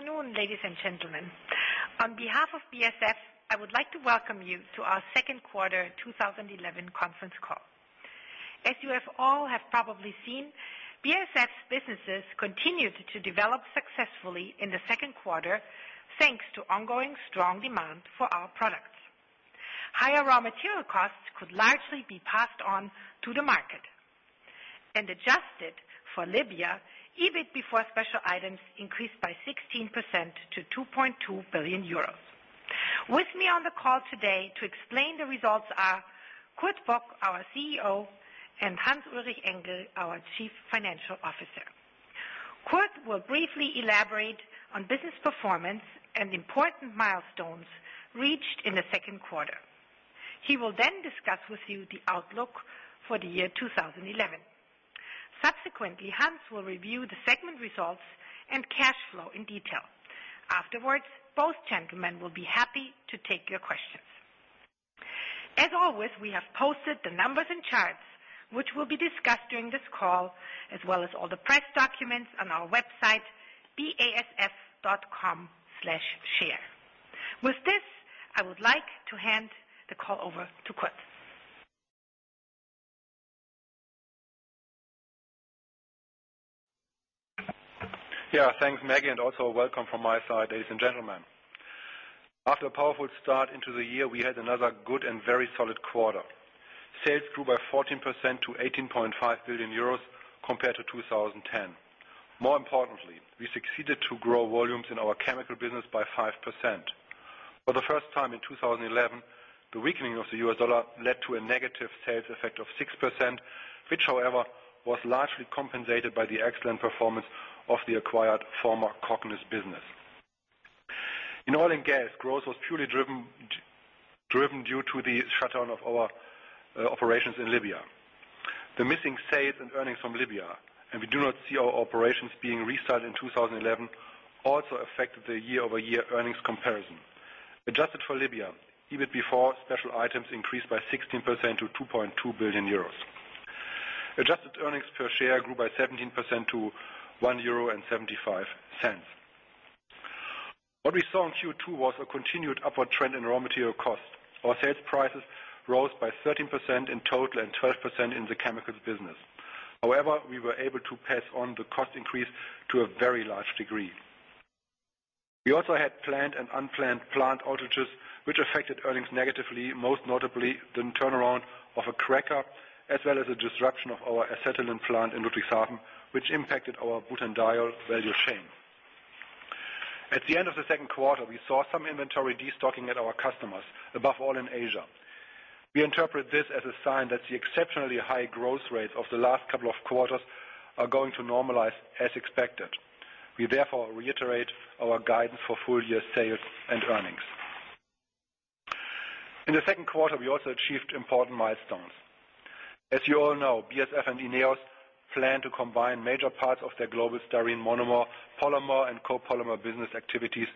Good afternoon, ladies and gentlemen. On behalf of BASF, I would like to welcome you to our second quarter 2011 conference call. As you all have probably seen, BASF's businesses continued to develop successfully in the second quarter thanks to ongoing strong demand for our products. Higher raw material costs could largely be passed on to the market. Adjusted for Libya, EBIT before special items increased by 16% to 2.2 billion euros. With me on the call today to explain the results are Kurt Bock, our CEO, and Hans-Ulrich Engel, our Chief Financial Officer. Kurt will briefly elaborate on business performance and important milestones reached in the second quarter. He will then discuss with you the outlook for the year 2011. Subsequently, Hans will review the segment results and cash flow in detail. Afterwards, both gentlemen will be happy to take your questions. As always, we have posted the numbers and charts which will be discussed during this call, as well as all the press documents on our website, basf.com/share. With this, I would like to hand the call over to Kurt. Yeah, thanks, Maggie, and also welcome from my side, ladies and gentlemen. After a powerful start into the year, we had another good and very solid quarter. Sales grew by 14% to 18.5 billion euros compared to 2010. More importantly, we succeeded to grow volumes in our chemical business by 5%. For the first time in 2011, the weakening of the US dollar led to a negative sales effect of 6%, which however, was largely compensated by the excellent performance of the acquired former Cognis business. In oil and gas, growth was purely driven due to the shutdown of our operations in Libya. The missing sales and earnings from Libya, and we do not see our operations being restarted in 2011, also affected the year-over-year earnings comparison. Adjusted for Libya, EBIT before special items increased by 16% to 2.2 billion euros. Adjusted earnings per share grew by 17% to 1.75 euro. What we saw in Q2 was a continued upward trend in raw material costs. Our sales prices rose by 13% in total and 12% in the chemicals business. However, we were able to pass on the cost increase to a very large degree. We also had planned and unplanned plant outages which affected earnings negatively, most notably the turnaround of a cracker, as well as the disruption of our acetylene plant in Ludwigshafen, which impacted our butanediol value chain. At the end of the second quarter, we saw some inventory destocking at our customers, above all in Asia. We interpret this as a sign that the exceptionally high growth rate of the last couple of quarters are going to normalize as expected. We therefore reiterate our guidance for full-year sales and earnings. In the second quarter, we also achieved important milestones. As you all know, BASF and INEOS plan to combine major parts of their global styrene monomer, polymer, and copolymer business activities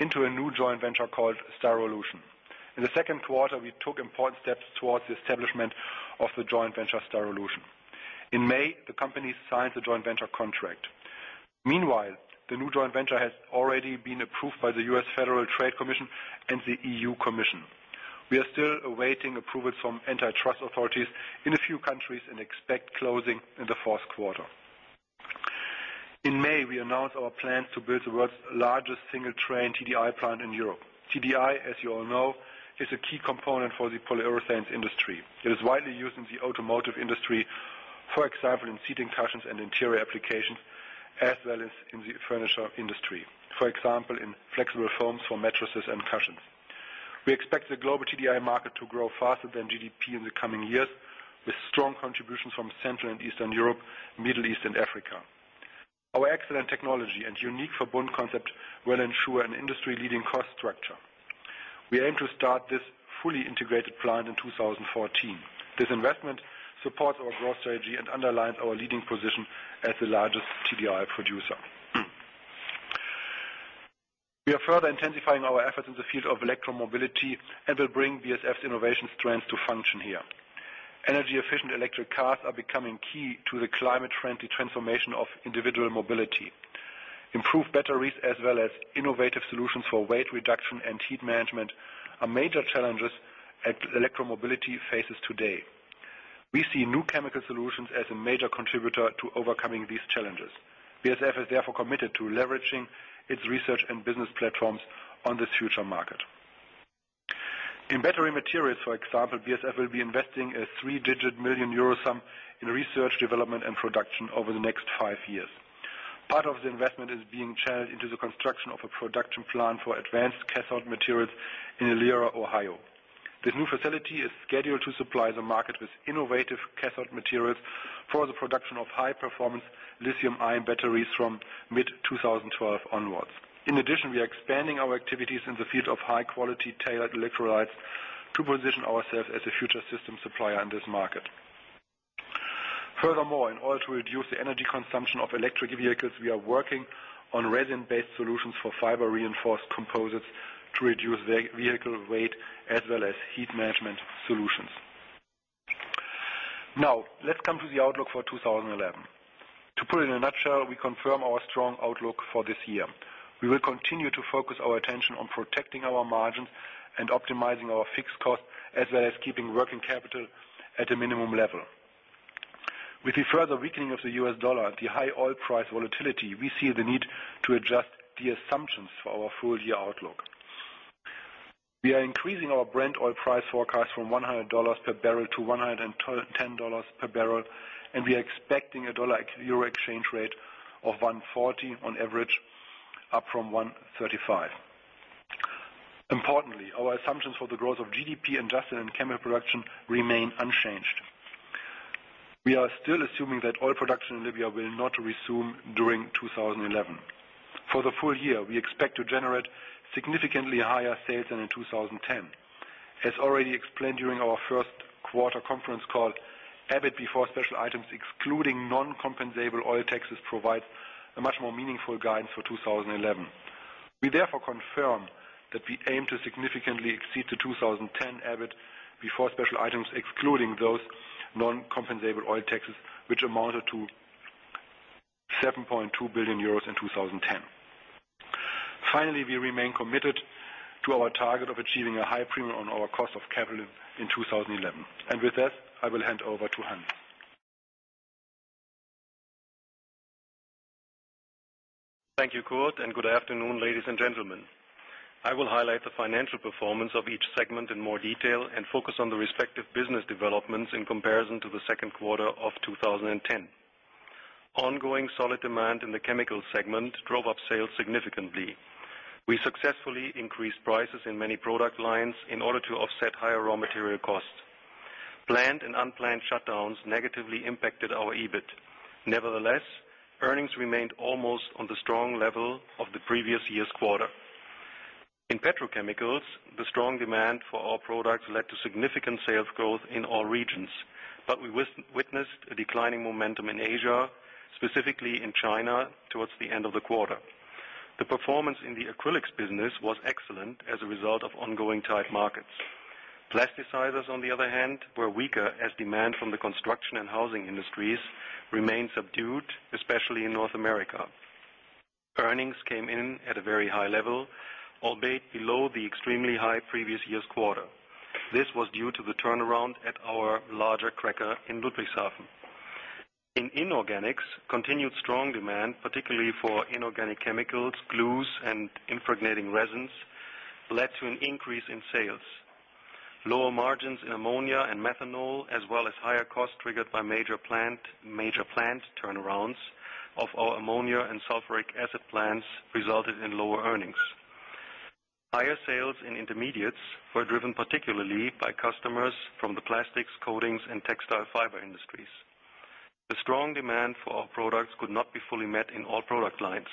into a new joint venture called Styrolution. In the second quarter, we took important steps towards the establishment of the joint venture Styrolution. In May, the companies signed the joint venture contract. Meanwhile, the new joint venture has already been approved by the U.S. Federal Trade Commission and the European Commission. We are still awaiting approval from antitrust authorities in a few countries and expect closing in the fourth quarter. In May, we announced our plan to build the world's largest single train TDI plant in Europe. TDI, as you all know, is a key component for the polyurethanes industry. It is widely used in the automotive industry, for example, in seating cushions and interior applications, as well as in the furniture industry, for example, in flexible foams for mattresses and cushions. We expect the global TDI market to grow faster than GDP in the coming years, with strong contributions from Central and Eastern Europe, Middle East and Africa. Our excellent technology and unique Verbund concept will ensure an industry-leading cost structure. We aim to start this fully integrated plant in 2014. This investment supports our growth strategy and underlines our leading position as the largest TDI producer. We are further intensifying our efforts in the field of electromobility and will bring BASF's innovation strengths to fruition here. Energy-efficient electric cars are becoming key to the climate-friendly transformation of individual mobility. Improved batteries as well as innovative solutions for weight reduction and heat management are major challenges that electromobility faces today. We see new chemical solutions as a major contributor to overcoming these challenges. BASF is therefore committed to leveraging its research and business platforms on this future market. In battery materials, for example, BASF will be investing a three-digit million EUR sum in research, development, and production over the next five years. Part of the investment is being channeled into the construction of a production plant for advanced cathode materials in Elyria, Ohio. This new facility is scheduled to supply the market with innovative cathode materials for the production of high-performance lithium-ion batteries from mid-2012 onwards. In addition, we are expanding our activities in the field of high-quality tailored electrolytes to position ourselves as a future system supplier in this market. Furthermore, in order to reduce the energy consumption of electric vehicles, we are working on resin-based solutions for fiber-reinforced composites to reduce vehicle weight as well as heat management solutions. Now let's come to the outlook for 2011. To put it in a nutshell, we confirm our strong outlook for this year. We will continue to focus our attention on protecting our margins and optimizing our fixed costs, as well as keeping working capital at a minimum level. With the further weakening of the U.S. dollar, the high oil price volatility, we see the need to adjust the assumptions for our full-year outlook. We are increasing our Brent oil price forecast from $100 per barrel to $110 per barrel, and we are expecting a dollar-euro exchange rate of 1.40 on average, up from 1.35. Importantly, our assumptions for the growth of GDP and global chemical production remain unchanged. We are still assuming that oil production in Libya will not resume during 2011. For the full year, we expect to generate significantly higher sales than in 2010. As already explained during our first quarter conference call, EBIT before special items excluding non-compensable oil taxes provides a much more meaningful guide for 2011. We therefore confirm that we aim to significantly exceed the 2010 EBIT before special items, excluding those non-compensable oil taxes which amounted to 7.2 billion euros in 2010. Finally, we remain committed to our target of achieving a high premium on our cost of capital in 2011. With that, I will hand over to Hans. Thank you, Kurt, and good afternoon, ladies and gentlemen. I will highlight the financial performance of each segment in more detail and focus on the respective business developments in comparison to the second quarter of 2010. Ongoing solid demand in the Chemicals segment drove up sales significantly. We successfully increased prices in many product lines in order to offset higher raw material costs. Planned and unplanned shutdowns negatively impacted our EBIT. Nevertheless, earnings remained almost on the strong level of the previous year's quarter. In petrochemicals, the strong demand for our products led to significant sales growth in all regions. We witnessed a declining momentum in Asia, specifically in China, towards the end of the quarter. The performance in the acrylics business was excellent as a result of ongoing tight markets. Plasticizers, on the other hand, were weaker as demand from the construction and housing industries remained subdued, especially in North America. Earnings came in at a very high level, albeit below the extremely high previous year's quarter. This was due to the turnaround at our larger cracker in Ludwigshafen. In inorganics, continued strong demand, particularly for inorganic chemicals, glues, and impregnating resins, led to an increase in sales. Lower margins in ammonia and methanol, as well as higher costs triggered by major plant turnarounds of our ammonia and sulfuric acid plants resulted in lower earnings. Higher sales in intermediates were driven particularly by customers from the plastics, coatings, and textile fiber industries. The strong demand for our products could not be fully met in all product lines.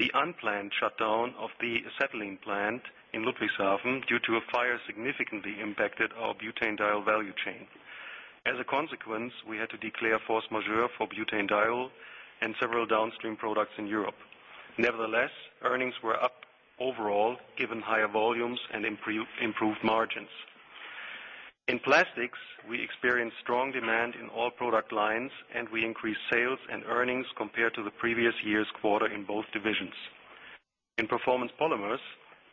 The unplanned shutdown of the acetylene plant in Ludwigshafen due to a fire significantly impacted our butanediol value chain. As a consequence, we had to declare force majeure for butanediol and several downstream products in Europe. Nevertheless, earnings were up overall, given higher volumes and improved margins. In plastics, we experienced strong demand in all product lines, and we increased sales and earnings compared to the previous year's quarter in both divisions. In performance polymers,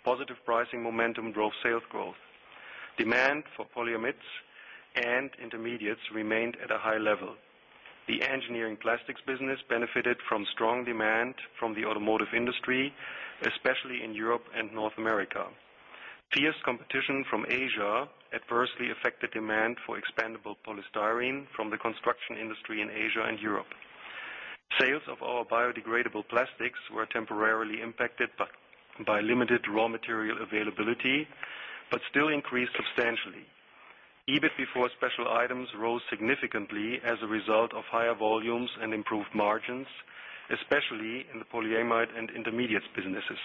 positive pricing momentum drove sales growth. Demand for polyamides and intermediates remained at a high level. The engineering plastics business benefited from strong demand from the automotive industry, especially in Europe and North America. Fierce competition from Asia adversely affected demand for expandable polystyrene from the construction industry in Asia and Europe. Sales of our biodegradable plastics were temporarily impacted by limited raw material availability, but still increased substantially. EBIT before special items rose significantly as a result of higher volumes and improved margins, especially in the polyamide and intermediates businesses.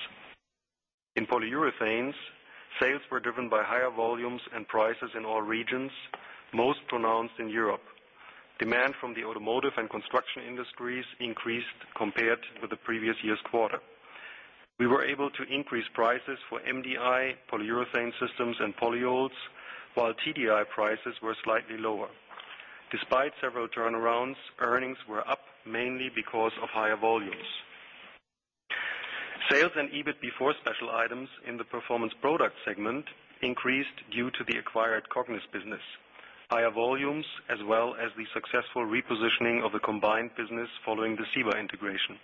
In polyurethanes, sales were driven by higher volumes and prices in all regions, most pronounced in Europe. Demand from the automotive and construction industries increased compared with the previous year's quarter. We were able to increase prices for MDI, polyurethane systems, and polyols, while TDI prices were slightly lower. Despite several turnarounds, earnings were up mainly because of higher volumes. Sales and EBIT before special items in the Performance Products segment increased due to the acquired Cognis business, higher volumes, as well as the successful repositioning of the combined business following the Ciba integration.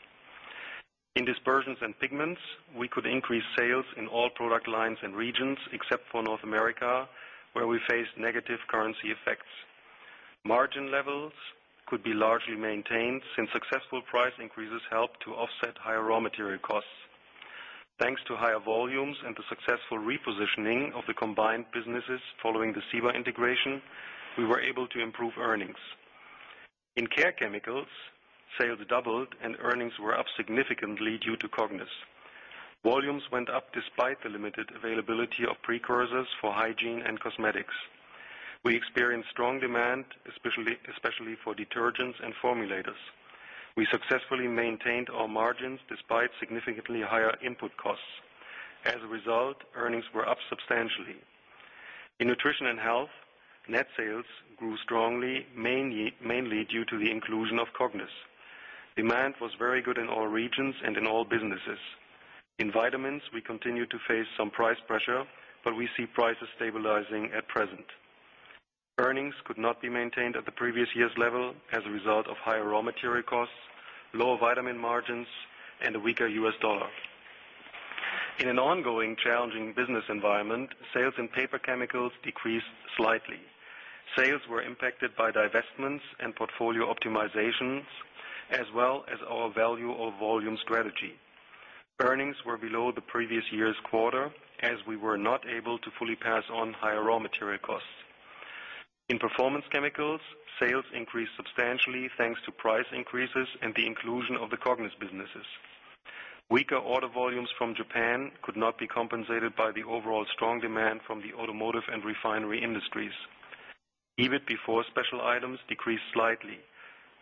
In Dispersions and Pigments, we could increase sales in all product lines and regions except for North America, where we faced negative currency effects. Margin levels could be largely maintained since successful price increases helped to offset higher raw material costs. Thanks to higher volumes and the successful repositioning of the combined businesses following the Cognis integration, we were able to improve earnings. In Care Chemicals, sales doubled and earnings were up significantly due to Cognis. Volumes went up despite the limited availability of precursors for hygiene and cosmetics. We experienced strong demand, especially for detergents and formulators. We successfully maintained our margins despite significantly higher input costs. As a result, earnings were up substantially. In Nutrition and Health, net sales grew strongly mainly due to the inclusion of Cognis. Demand was very good in all regions and in all businesses. In vitamins, we continue to face some price pressure, but we see prices stabilizing at present. Earnings could not be maintained at the previous year's level as a result of higher raw material costs, lower vitamin margins, and a weaker U.S. dollar. In an ongoing challenging business environment, sales in paper chemicals decreased slightly. Sales were impacted by divestments and portfolio optimizations as well as our value-over-volume strategy. Earnings were below the previous year's quarter as we were not able to fully pass on higher raw material costs. In Performance Chemicals, sales increased substantially thanks to price increases and the inclusion of the Cognis businesses. Weaker order volumes from Japan could not be compensated by the overall strong demand from the automotive and refinery industries. EBIT before special items decreased slightly,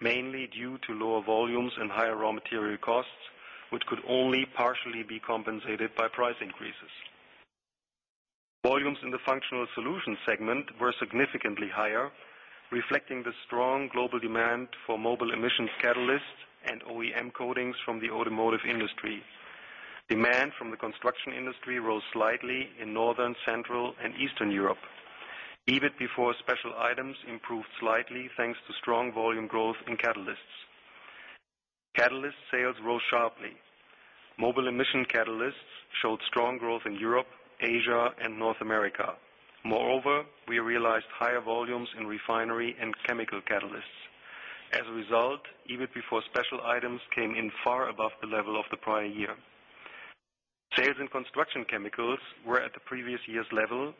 mainly due to lower volumes and higher raw material costs, which could only partially be compensated by price increases. Volumes in the Functional Solutions segment were significantly higher, reflecting the strong global demand for mobile emissions catalysts and OEM coatings from the automotive industry. Demand from the construction industry rose slightly in Northern, Central, and Eastern Europe. EBIT before special items improved slightly thanks to strong volume growth in catalysts. Catalyst sales rose sharply. Mobile emission catalysts showed strong growth in Europe, Asia, and North America. Moreover, we realized higher volumes in refinery and chemical catalysts. As a result, EBIT before special items came in far above the level of the prior year. Sales in Construction Chemicals were at the previous year's level,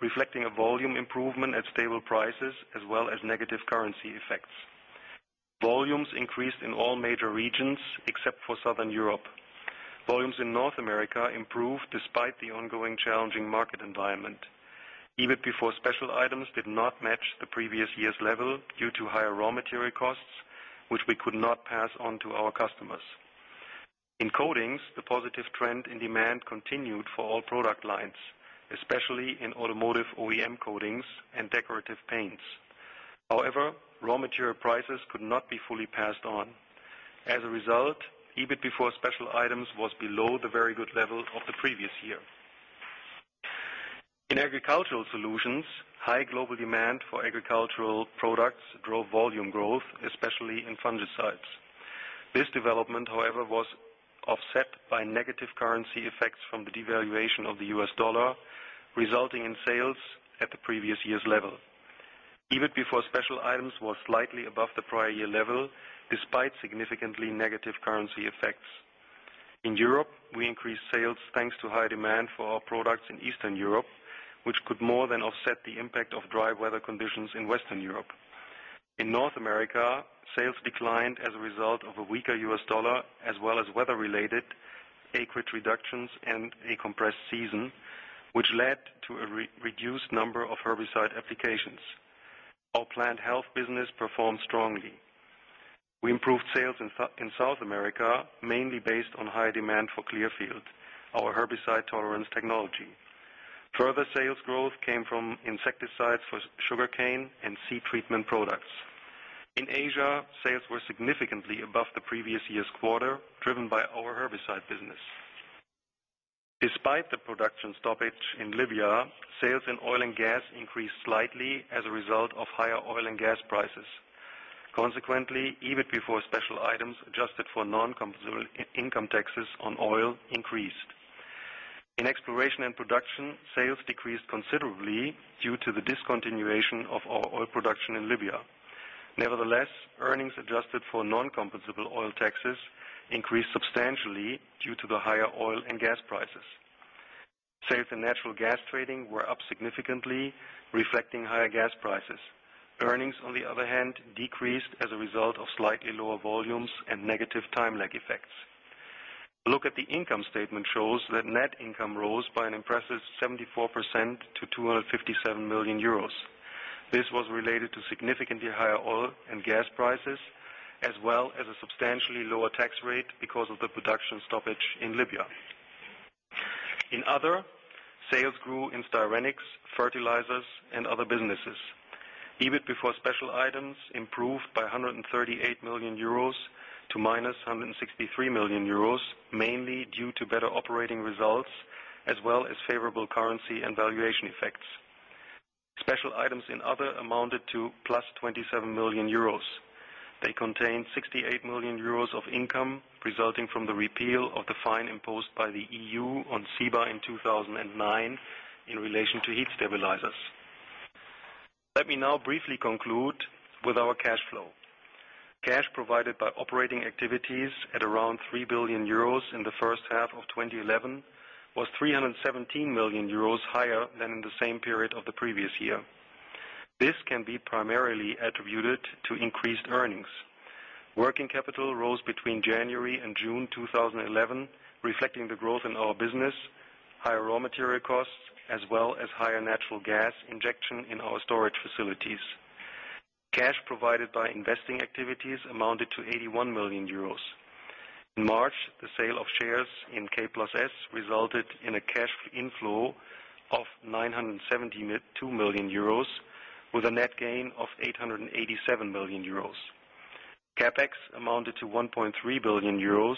reflecting a volume improvement at stable prices as well as negative currency effects. Volumes increased in all major regions except for Southern Europe. Volumes in North America improved despite the ongoing challenging market environment. EBIT before special items did not match the previous year's level due to higher raw material costs, which we could not pass on to our customers. In Coatings, the positive trend in demand continued for all product lines, especially in automotive OEM coatings and decorative paints. However, raw material prices could not be fully passed on. As a result, EBIT before special items was below the very good level of the previous year. In Agricultural Solutions, high global demand for agricultural products drove volume growth, especially in fungicides. This development, however, was offset by negative currency effects from the devaluation of the U.S. dollar, resulting in sales at the previous year's level. EBIT before special items was slightly above the prior year level despite significantly negative currency effects. In Europe, we increased sales thanks to high demand for our products in Eastern Europe, which could more than offset the impact of dry weather conditions in Western Europe. In North America, sales declined as a result of a weaker U.S. dollar as well as weather-related acreage reductions and a compressed season, which led to a re-reduced number of herbicide applications. Our plant health business performed strongly. We improved sales in South America, mainly based on high demand for Clearfield, our herbicide tolerance technology. Further sales growth came from insecticides for sugarcane and seed treatment products. In Asia, sales were significantly above the previous year's quarter, driven by our herbicide business. Despite the production stoppage in Libya, sales in Oil and Gas increased slightly as a result of higher oil and gas prices. Consequently, EBIT before special items adjusted for non-comparable income taxes on oil increased. In Exploration and Production, sales decreased considerably due to the discontinuation of our oil production in Libya. Nevertheless, earnings adjusted for non-comparable oil taxes increased substantially due to the higher oil and gas prices. Sales in Natural Gas Trading were up significantly, reflecting higher gas prices. Earnings, on the other hand, decreased as a result of slightly lower volumes and negative time lag effects. A look at the income statement shows that net income rose by an impressive 74% to 257 million euros. This was related to significantly higher oil and gas prices, as well as a substantially lower tax rate because of the production stoppage in Libya. In Other, sales grew in styrenics, fertilizers, and other businesses. EBIT before special items improved by 138 million euros to -163 million euros, mainly due to better operating results as well as favorable currency and valuation effects. Special items in Other amounted to +27 million euros. They contained 68 million euros of income resulting from the repeal of the fine imposed by the EU on Ciba in 2009 in relation to heat stabilizers. Let me now briefly conclude with our cash flow. Cash provided by operating activities at around 3 billion euros in the first half of 2011 was 317 million euros higher than in the same period of the previous year. This can be primarily attributed to increased earnings. Working capital rose between January and June 2011, reflecting the growth in our business, higher raw material costs, as well as higher natural gas injection in our storage facilities. Cash provided by investing activities amounted to 81 million euros. In March, the sale of shares in K+S resulted in a cash inflow of 972 million euros with a net gain of 887 million euros. CapEx amounted to 1.3 billion euros,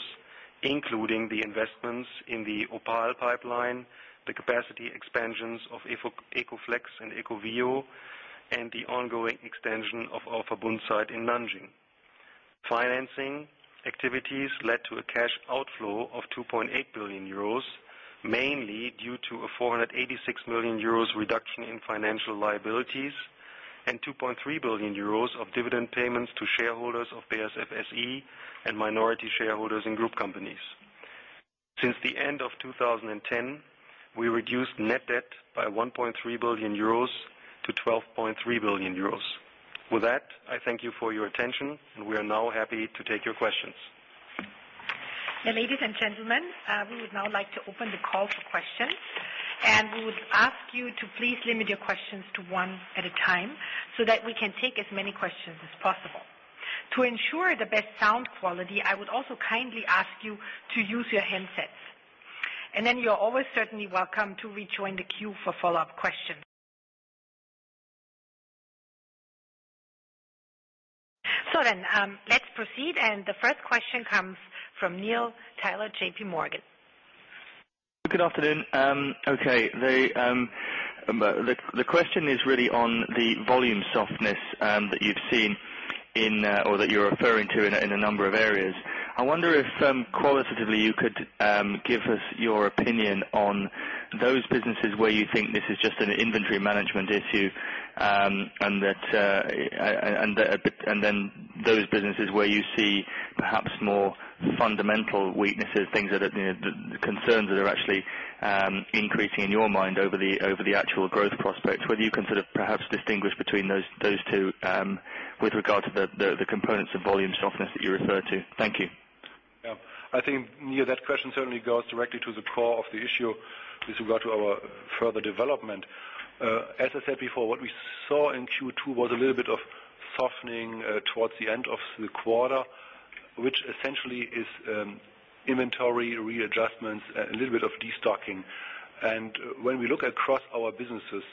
including the investments in the OPAL pipeline, the capacity expansions of ecoflex and ecovio, and the ongoing extension of our Verbund site in Nanjing. Financing activities led to a cash outflow of 2.8 billion euros, mainly due to a 486 million euros reduction in financial liabilities and 2.3 billion euros of dividend payments to shareholders of BASF SE and minority shareholders in group companies. Since the end of 2010, we reduced net debt by 1.3 billion euros to 12.3 billion euros. With that, I thank you for your attention, and we are now happy to take your questions. Now, ladies and gentlemen, we would now like to open the call for questions, and we would ask you to please limit your questions to one at a time so that we can take as many questions as possible. To ensure the best sound quality, I would also kindly ask you to use your handsets. You are always certainly welcome to rejoin the queue for follow-up questions. Let's proceed, and the first question comes from Neil Tyler, JP Morgan. Good afternoon. Okay. The question is really on the volume softness that you've seen in or that you're referring to in a number of areas. I wonder if qualitatively you could give us your opinion on those businesses where you think this is just an inventory management issue and then those businesses where you see perhaps more fundamental weaknesses, things that are, you know, concerns that are actually increasing in your mind over the actual growth prospects, whether you can sort of perhaps distinguish between those two with regard to the components of volume softness that you refer to. Thank you. Yeah. I think, Neil, that question certainly goes directly to the core of the issue with regard to our further development. As I said before, what we saw in Q2 was a little bit of softening towards the end of the quarter, which essentially is inventory readjustments, a little bit of destocking. When we look across our businesses,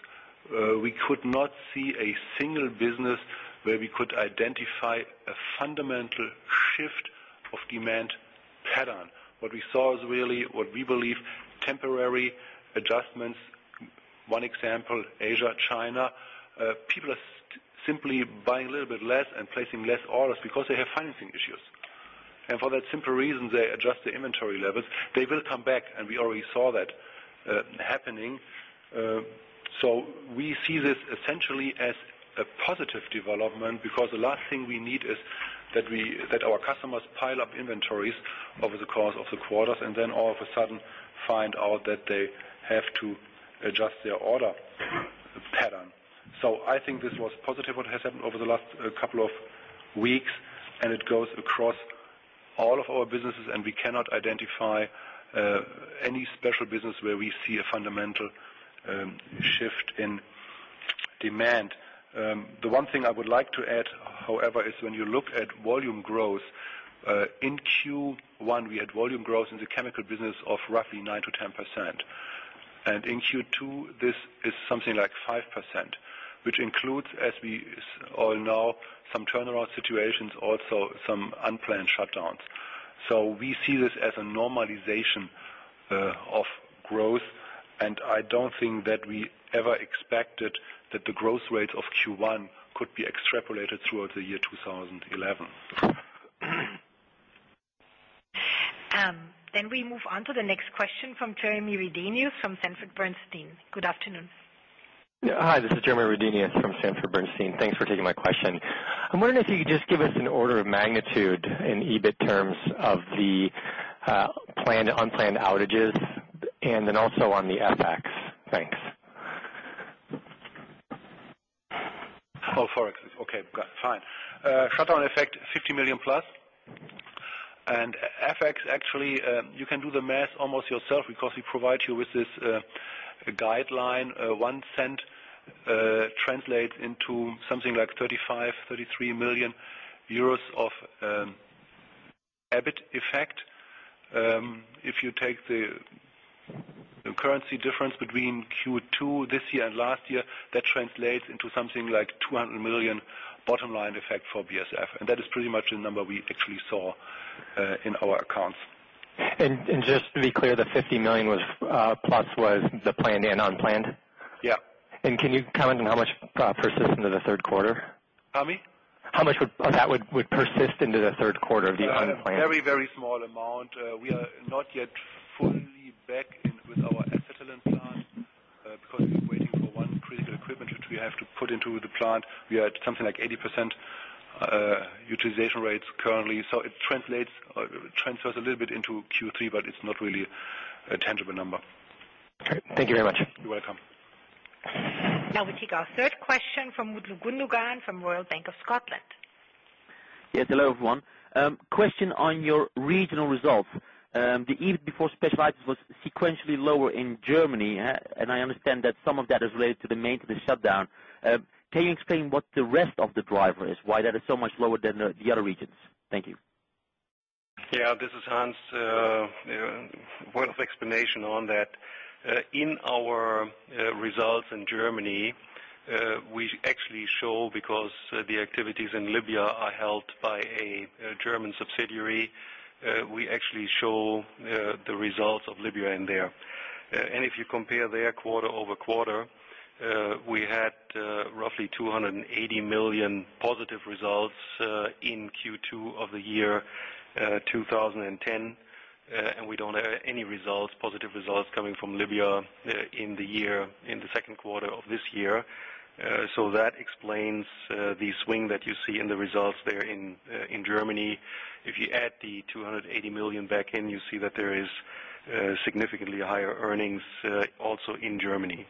we could not see a single business where we could identify a fundamental shift of demand pattern. What we saw is really what we believe temporary adjustments. One example, Asia, China, people are simply buying a little bit less and placing less orders because they have financing issues. For that simple reason, they adjust the inventory levels. They will come back, and we already saw that happening. We see this essentially as a positive development because the last thing we need is that our customers pile up inventories over the course of the quarters and then all of a sudden find out that they have to adjust their order pattern. I think this was positive what has happened over the last couple of weeks, and it goes across all of our businesses, and we cannot identify any special business where we see a fundamental shift in demand. The one thing I would like to add, however, is when you look at volume growth in Q1, we had volume growth in the chemical business of roughly 9%-10%. In Q2, this is something like 5%, which includes, as we all know, some turnaround situations, also some unplanned shutdowns. We see this as a normalization of growth, and I don't think that we ever expected that the growth rate of Q1 could be extrapolated throughout the year 2011. We move on to the next question from Jeremy Redenius from Sanford C. Bernstein. Good afternoon. Hi, this is Jeremy Redenius from Sanford C. Bernstein. Thanks for taking my question. I'm wondering if you could just give us an order of magnitude in EBIT terms of the planned, unplanned outages and then also on the FX. Thanks. Oh, FX. Okay, fine. Shutdown effect, 50 million plus. FX, actually, you can do the math almost yourself because we provide you with this guideline. One cent translates into something like 35, 33 million of EBIT effect. If you take the currency difference between Q2 this year and last year, that translates into something like 200 million bottom line effect for BASF, and that is pretty much the number we actually saw in our accounts. Just to be clear, the 50 million was plus the planned and unplanned? Yeah. Can you comment on how much persists into the third quarter? Pardon me? How much of that would persist into the third quarter of the unplanned? A very, very small amount. We are not yet fully back in with our acetylene plant, because we're waiting for one critical equipment, which we have to put into the plant. We are at something like 80%, utilization rates currently. It translates or transfers a little bit into Q3, but it's not really a tangible number. Okay. Thank you very much. You're welcome. Now we take our third question from Mutlu Güngören from Royal Bank of Scotland. Yes, hello everyone. Question on your regional results. The EBIT before specialized was sequentially lower in Germany, and I understand that some of that is related to the maintenance shutdown. Can you explain what the rest of the driver is, why that is so much lower than the other regions? Thank you. This is Hans-Ulrich Engel. Word of explanation on that. In our results in Germany, we actually show because the activities in Libya are held by a German subsidiary, we actually show the results of Libya in there. If you compare quarter over quarter, we had roughly 280 million positive results in Q2 of the year 2010, and we don't have any positive results coming from Libya in the year, in the second quarter of this year. That explains the swing that you see in the results there in Germany. If you add the 280 million back in, you see that there is significantly higher earnings also in Germany.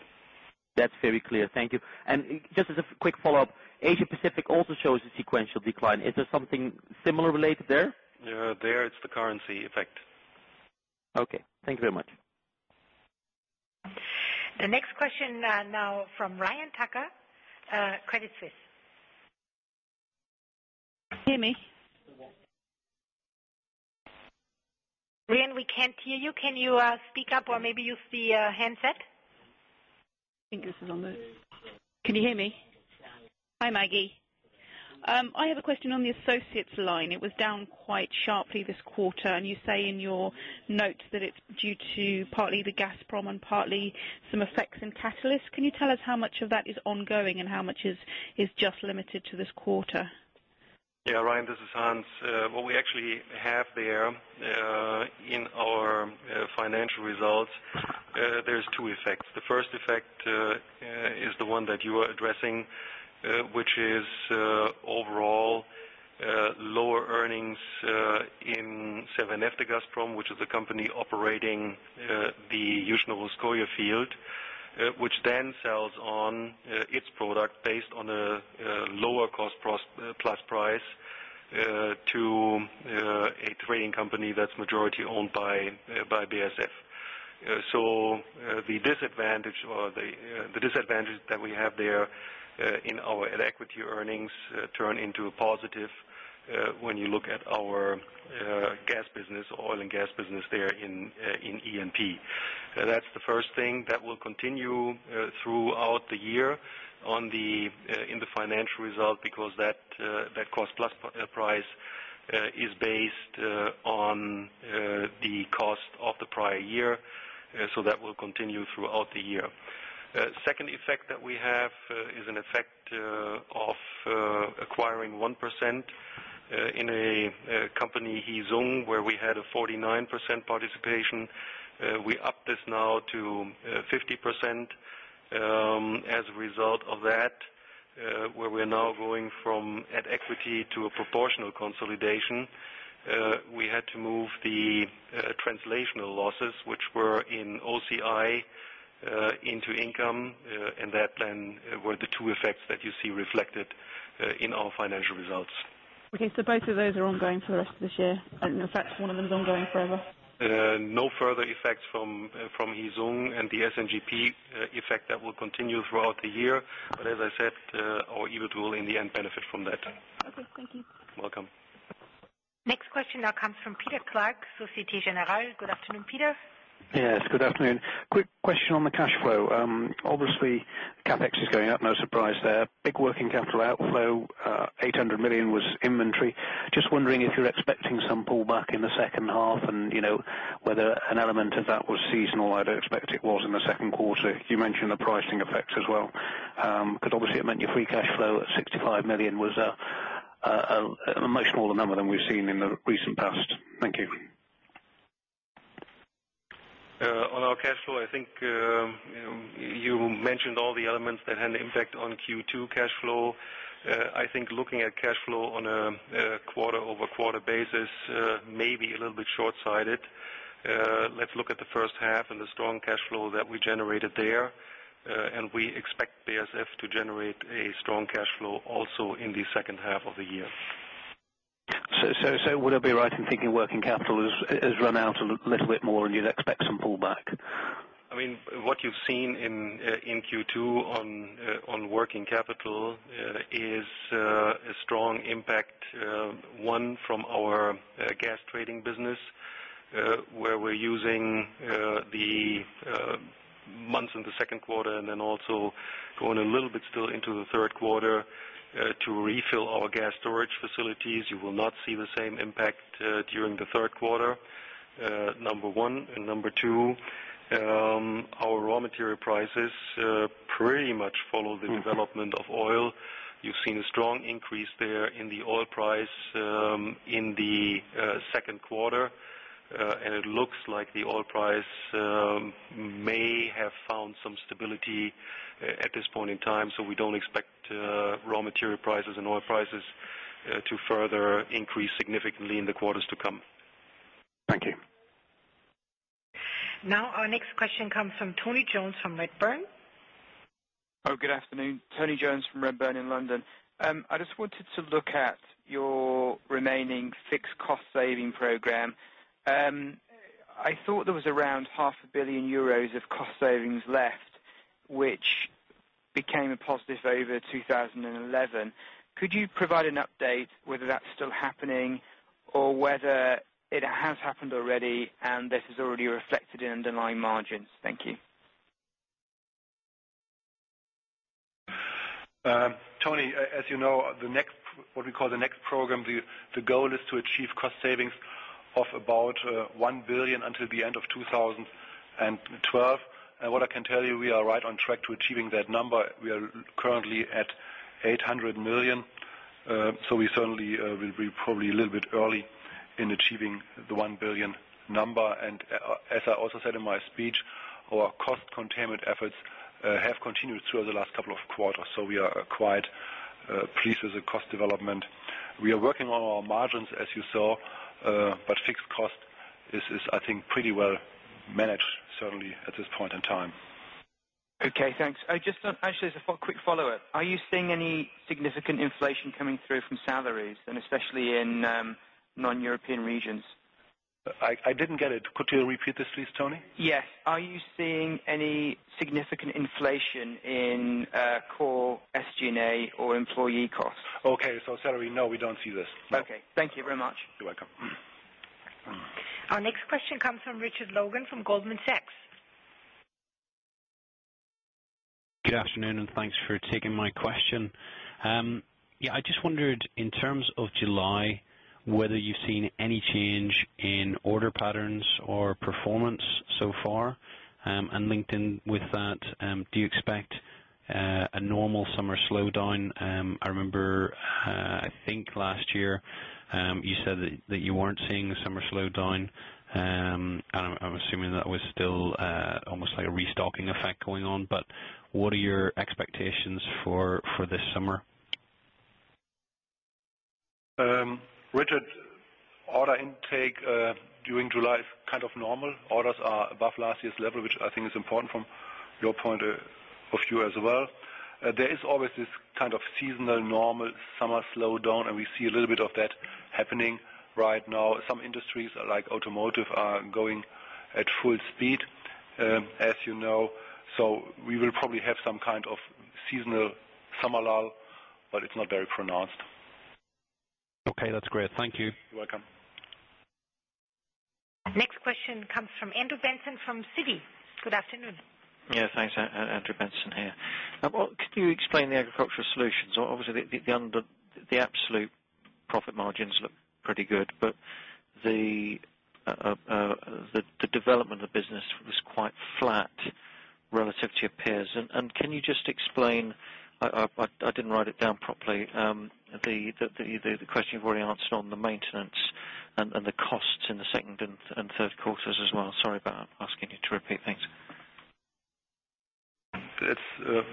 That's very clear. Thank you. Just as a quick follow-up, Asia Pacific also shows a sequential decline. Is there something similar related there? There it's the currency effect. Okay. Thank you very much. The next question, now from Ryan Tucker, Credit Suisse. Can you hear me? Ryan, we can't hear you. Can you speak up, or maybe use the handset? I think this is on there. Can you hear me? Hi, Maggie. I have a question on the associates line. It was down quite sharply this quarter, and you say in your notes that it's due to partly the Gazprom and partly some effects in Catalysts. Can you tell us how much of that is ongoing and how much is just limited to this quarter? Yeah, Ryan, this is Hans. What we actually have there in our financial results, there's two effects. The first effect is the one that you are addressing, which is overall lower earnings in Severneftegazprom, which is a company operating the Yuzhno-Russkoye field, which then sells on its product based on a lower cost plus price to a trading company that's majority-owned by BASF. The disadvantage that we have there in our at-equity earnings turn into a positive when you look at our gas business, oil and gas business there in E&P. That's the first thing that will continue throughout the year in the financial result because that cost plus price is based on the cost of the prior year, so that will continue throughout the year. Second effect that we have is an effect of acquiring 1% in a company, Heesung, where we had a 49% participation. We upped this now to 50%. As a result of that, where we're now going from at equity to a proportional consolidation, we had to move the translational losses, which were in OCI, into income, and that then were the two effects that you see reflected in our financial results. Okay. Both of those are ongoing for the rest of this year, and in fact, one of them is ongoing forever. No further effects from Heesung and the SNGP effect that will continue throughout the year. As I said, our EBIT will in the end benefit from that. Okay, thank you. Welcome. Next question now comes from Peter Clark, Société Générale. Good afternoon, Peter. Yes, good afternoon. Quick question on the cash flow. Obviously, CapEx is going up, no surprise there. Big working capital outflow, 800 million was inventory. Just wondering if you're expecting some pullback in the second half and whether an element of that was seasonal. I don't expect it was in the second quarter. You mentioned the pricing effects as well. Because obviously it meant your free cash flow at 65 million was a much lower number than we've seen in the recent past. Thank you. On our cash flow, I think, you mentioned all the elements that had an impact on Q2 cash flow. I think looking at cash flow on a quarter-over-quarter basis may be a little bit short-sighted. Let's look at the first half and the strong cash flow that we generated there. We expect BASF to generate a strong cash flow also in the second half of the year. Would I be right in thinking working capital has run out a little bit more and you'd expect some pullback? I mean, what you've seen in Q2 on working capital is a strong impact, one from our gas trading business, where we're using the months in the second quarter and then also going a little bit still into the third quarter to refill our gas storage facilities. You will not see the same impact during the third quarter, number one. Number two, our raw material prices pretty much follow the development of oil. You've seen a strong increase there in the oil price in the second quarter. It looks like the oil price may have found some stability at this point in time, so we don't expect raw material prices and oil prices to further increase significantly in the quarters to come. Now our next question comes from Tony Jones from Redburn. Oh, good afternoon. Tony Jones from Redburn in London. I just wanted to look at your remaining fixed cost saving program. I thought there was around EUR half a billion of cost savings left, which became a positive over 2011. Could you provide an update whether that's still happening or whether it has happened already and this is already reflected in underlying margins? Thank you. Tony, as you know, what we call the NEXT program, the goal is to achieve cost savings of about 1 billion until the end of 2012. What I can tell you, we are right on track to achieving that number. We are currently at 800 million. So we certainly will be probably a little bit early in achieving the 1 billion number. As I also said in my speech, our cost containment efforts have continued through the last couple of quarters, so we are quite pleased with the cost development. We are working on our margins, as you saw, but fixed cost is, I think, pretty well managed certainly at this point in time. Okay, thanks. I just thought, actually, as a quick follow-up, are you seeing any significant inflation coming through from salaries and especially in non-European regions? I didn't get it. Could you repeat this please, Tony? Yes. Are you seeing any significant inflation in core SG&A or employee costs? Okay. Salary, no, we don't see this, no. Okay, thank you very much. You're welcome. Our next question comes from Richard Logan from Goldman Sachs. Good afternoon, and thanks for taking my question. Yeah, I just wondered in terms of July, whether you've seen any change in order patterns or performance so far, and linked in with that, do you expect a normal summer slowdown? I remember, I think last year, you said that you weren't seeing the summer slowdown. I'm assuming that was still almost like a restocking effect going on. What are your expectations for this summer? Richard, order intake during July is kind of normal. Orders are above last year's level, which I think is important from your point of view as well. There is always this kind of seasonal normal summer slowdown, and we see a little bit of that happening right now. Some industries, like automotive, are going at full speed, as you know. We will probably have some kind of seasonal summer lull, but it's not very pronounced. Okay, that's great. Thank you. You're welcome. Next question comes from Andrew Benson from Citi. Good afternoon. Yeah, thanks. Andrew Benson here. Could you explain the agricultural solutions? Obviously, the absolute profit margins look pretty good, but the development of business was quite flat relative to your peers. Can you just explain, I didn't write it down properly, the question you've already answered on the maintenance and the costs in the second and third quarters as well. Sorry about asking you to repeat. Thanks. It's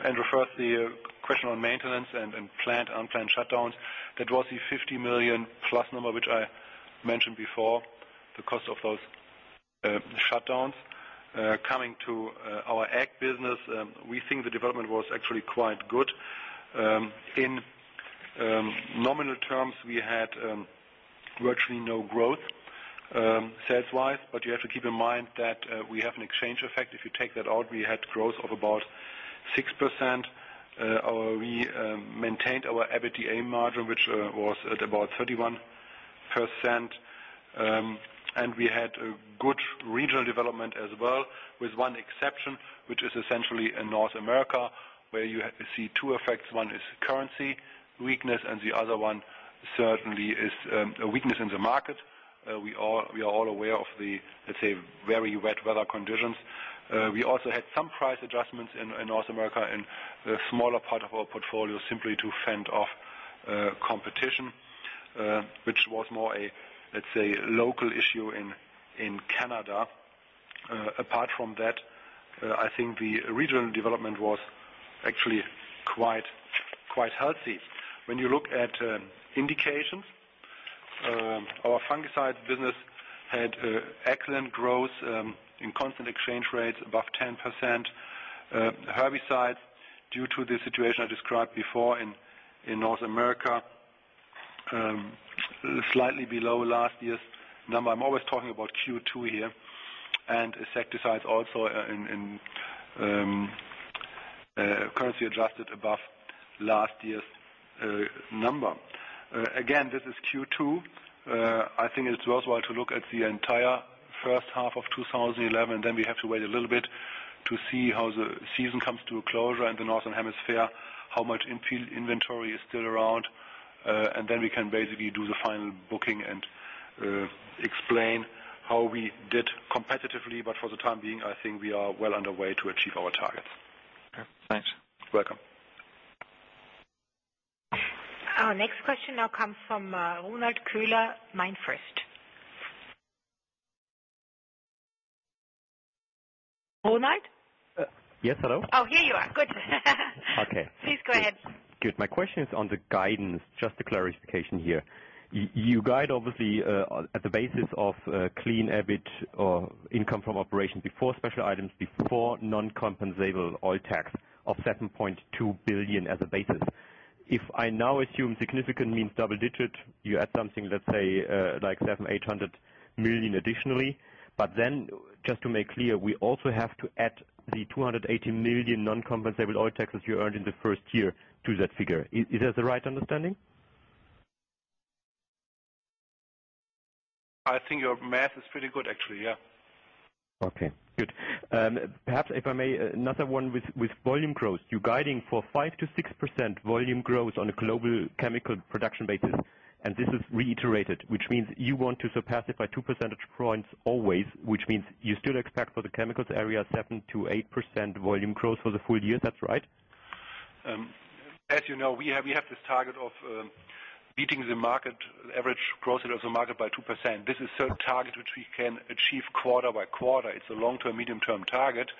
Andrew, first the question on maintenance and planned, unplanned shutdowns. That was the +50 million number, which I mentioned before, the cost of those shutdowns. Coming to our ag business, we think the development was actually quite good. In nominal terms, we had virtually no growth, sales-wise, but you have to keep in mind that we have an exchange effect. If you take that out, we had growth of about 6%. We maintained our EBITDA margin, which was at about 31%. We had a good regional development as well, with one exception, which is essentially in North America, where you see two effects. One is currency weakness, and the other one certainly is a weakness in the market. We are all aware of the, let's say, very wet weather conditions. We also had some price adjustments in North America in the smaller part of our portfolio simply to fend off competition, which was more a, let's say, local issue in Canada. Apart from that, I think the regional development was actually quite healthy. When you look at indications, our fungicide business had excellent growth in constant exchange rates above 10%. The herbicide, due to the situation I described before in North America, slightly below last year's number. I'm always talking about Q2 here. Insecticides also in currency-adjusted above last year's number. Again, this is Q2. I think it's worthwhile to look at the entire first half of 2011, then we have to wait a little bit to see how the season comes to a close around the Northern Hemisphere, how much in-field inventory is still around, and then we can basically do the final booking and explain how we did competitively. For the time being, I think we are well underway to achieve our targets. Okay, thanks. You're welcome. Our next question now comes from Ronald Köhler, MainFirst. Holknight? Yes, hello. Oh, here you are. Good. Okay. Please go ahead. Good. My question is on the guidance, just a clarification here. You guide obviously on the basis of clean EBIT or income from operations before special items, before non-compensable oil tax of 7.2 billion as a basis. If I now assume significant means double digits, you add something, let's say, like 700-800 million additionally. Just to make clear, we also have to add the 280 million non-compensable oil taxes you earned in the first year to that figure. Is that the right understanding? I think your math is pretty good, actually, yeah. Okay, good. Perhaps, if I may, another one with volume growth. You're guiding for 5%-6% volume growth on a global chemical production basis, and this is reiterated, which means you want to surpass it by two percentage points always, which means you still expect for the chemicals area 7%-8% volume growth for the full year. That's right? As you know, we have this target of beating the market average growth rate of the market by 2%. This is a target which we can achieve quarter by quarter. It's a long-term, medium-term target.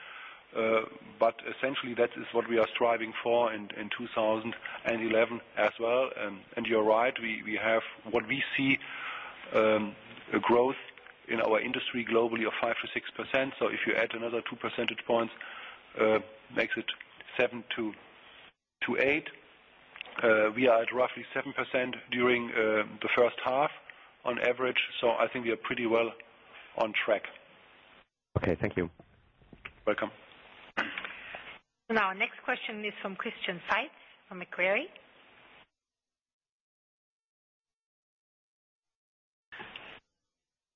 Essentially, that is what we are striving for in 2011 as well. You're right, we have what we see, a growth in our industry globally of 5%-6%. If you add another 2 percentage points, makes it 7%-8%. We are at roughly 7% during the first half on average, so I think we are pretty well on track. Okay, thank you. Welcome. Now, our next question is from Christian Jutzi from Macquarie.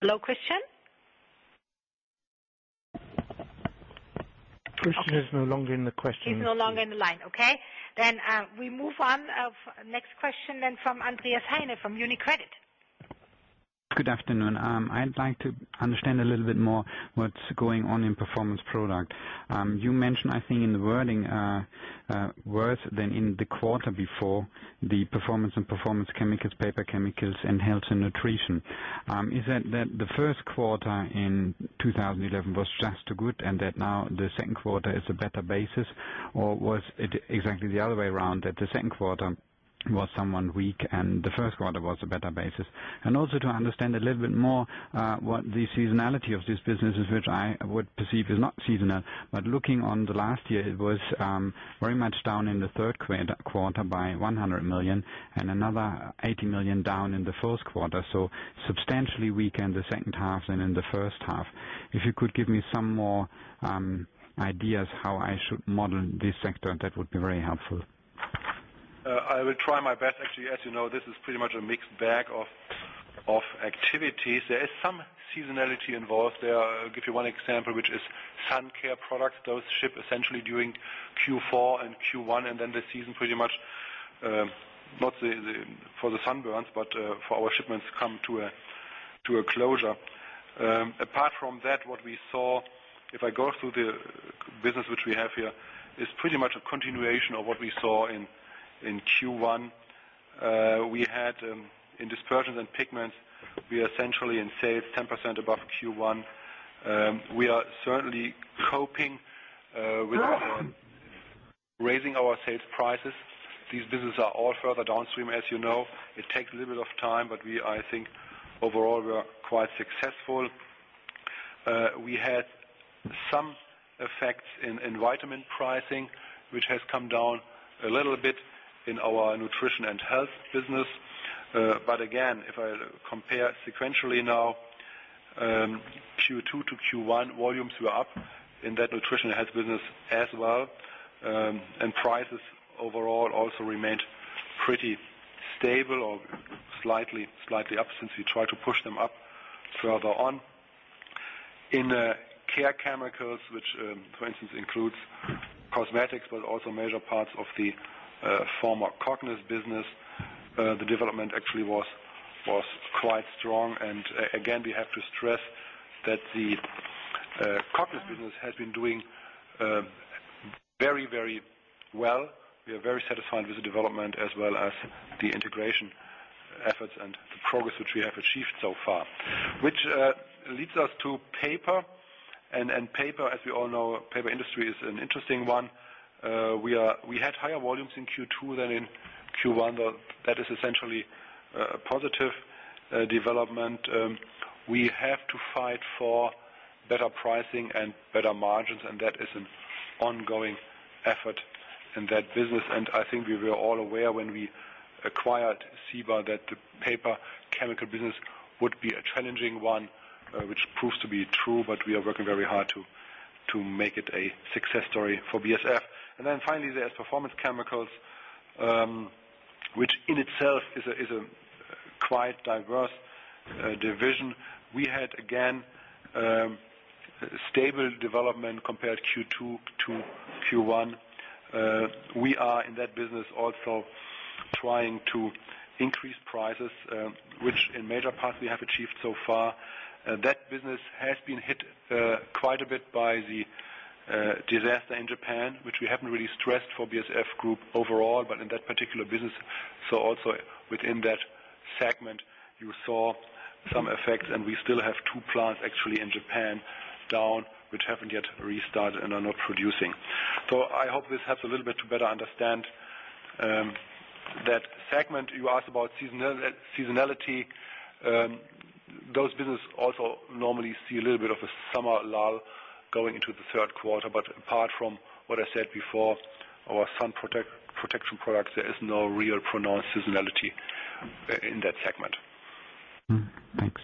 Hello, Christian? Christian is no longer in the question queue. He is no longer in the line. Okay, we move on. Next question from Andreas Heine from UniCredit. Good afternoon. I'd like to understand a little bit more what's going on in Performance Products. You mentioned, I think, in the wording, worse than in the quarter before the Performance Products and Performance Chemicals, Paper Chemicals, and Health and Nutrition. Is that the first quarter in 2011 was just too good, and that now the second quarter is a better basis? Or was it exactly the other way around, that the second quarter was somewhat weak, and the first quarter was a better basis? Also, to understand a little bit more, what the seasonality of this business is, which I would perceive is not seasonal, but looking on the last year, it was very much down in the third quarter by 100 million and another 80 million down in the first quarter, so substantially weak in the second half than in the first half. If you could give me some more ideas how I should model this sector, that would be very helpful. I will try my best. Actually, as you know, this is pretty much a mixed bag of activities. There is some seasonality involved. I'll give you one example, which is sun care products. Those ship essentially during Q4 and Q1, and then the season pretty much for our shipments come to a closure. Apart from that, what we saw, if I go through the business which we have here, is pretty much a continuation of what we saw in Q1. We had in Dispersions and Pigments, we are essentially in sales 10% above Q1. We are certainly coping with raising our sales prices. These business are all further downstream, as you know. It takes a little bit of time, but I think overall, we are quite successful. We had some effects in vitamin pricing, which has come down a little bit in our Nutrition and Health business. If I compare sequentially now, Q2 to Q1, volumes were up in that Nutrition and Health business as well. Prices overall also remained pretty stable or slightly up since we tried to push them up further on. In the Care Chemicals, which for instance includes cosmetics, but also major parts of the former Cognis business, the development actually was quite strong. We have to stress that the Cognis business has been doing very well. We are very satisfied with the development as well as the integration efforts and the progress which we have achieved so far. Which leads us to paper, and paper, as we all know, paper industry is an interesting one. We had higher volumes in Q2 than in Q1. That is essentially a positive development. We have to fight for better pricing and better margins, and that is an ongoing effort in that business. I think we were all aware when we acquired Ciba that the paper chemical business would be a challenging one, which proves to be true, but we are working very hard to make it a success story for BASF. Finally, there's performance chemicals, which in itself is a quite diverse division. We had, again, stable development compared Q2 to Q1. We are in that business also trying to increase prices, which in major part we have achieved so far. That business has been hit quite a bit by the disaster in Japan, which we haven't really stressed for BASF Group overall, but in that particular business, so also within that segment, you saw some effects, and we still have two plants actually in Japan down, which haven't yet restarted and are not producing. I hope this helps a little bit to better understand that segment. You asked about seasonality. Those business also normally see a little bit of a summer lull going into the third quarter. Apart from what I said before, our sun protection products, there is no real pronounced seasonality in that segment. Mm-hmm. Thanks.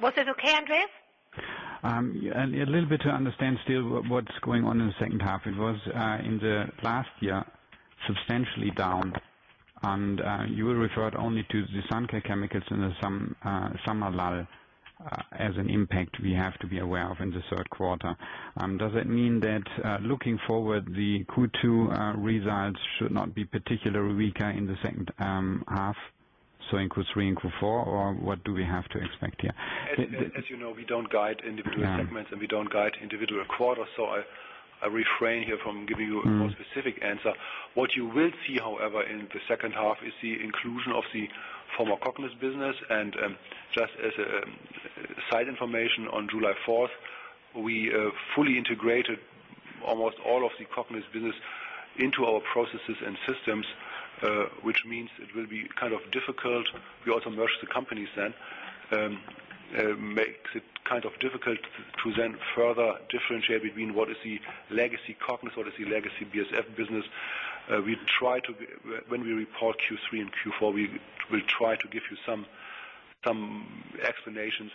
Was that okay, Andreas? Yeah, a little bit to understand still what's going on in the second half. It was in the last year substantially down, and you referred only to the Sun Care chemicals and the summer lull as an impact we have to be aware of in the third quarter. Does it mean that looking forward, the Q2 results should not be particularly weaker in the second half, so in Q3 and Q4, or what do we have to expect here? As you know, we don't guide individual Yeah. segments, and we don't guide individual quarters, so I refrain here from giving you Mm-hmm. A more specific answer. What you will see, however, in the second half is the inclusion of the former Cognis business. Just as side information, on July fourth, we fully integrated almost all of the Cognis business into our processes and systems, which means it will be kind of difficult. We also merged the companies then. Makes it kind of difficult to then further differentiate between what is the legacy Cognis, what is the legacy BASF business. When we report Q3 and Q4, we will try to give you some explanations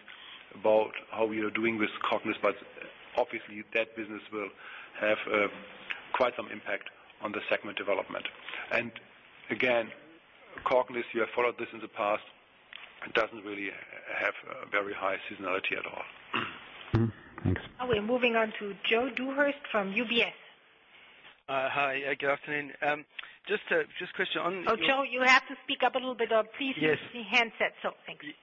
about how we are doing with Cognis. Obviously, that business will have quite some impact on the segment development. Again, Cognis, you have followed this in the past, it doesn't really have a very high seasonality at all. Mm-hmm. Thanks. Now we're moving on to Joe Dewhurst from UBS. Hi. Good afternoon. Just a question on- Oh, Joe, you have to speak up a little bit or please. Yes. Thank you.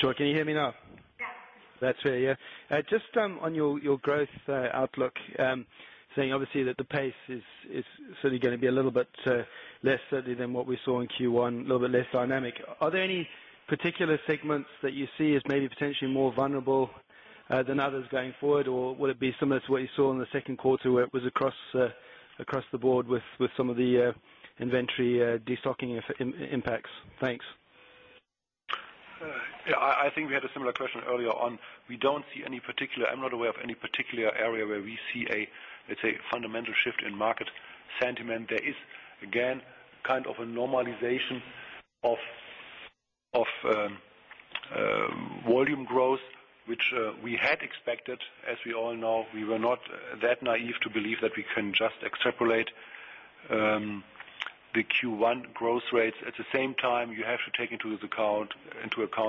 Sure. Can you hear me now? Yes. That's better, yeah. Just on your growth outlook, saying obviously that the pace is certainly gonna be a little bit less certainly than what we saw in Q1, a little bit less dynamic. Are there any particular segments that you see as maybe potentially more vulnerable than others going forward? Or will it be similar to what you saw in the second quarter, where it was across the board with some of the inventory destocking impacts? Thanks. Yeah, I think we had a similar question earlier on. We don't see any particular. I'm not aware of any particular area where we see a, let's say, fundamental shift in market sentiment. There is, again, kind of a normalization of volume growth, which we had expected. As we all know, we were not that naïve to believe that we can just extrapolate the Q1 growth rates. At the same time, you have to take into account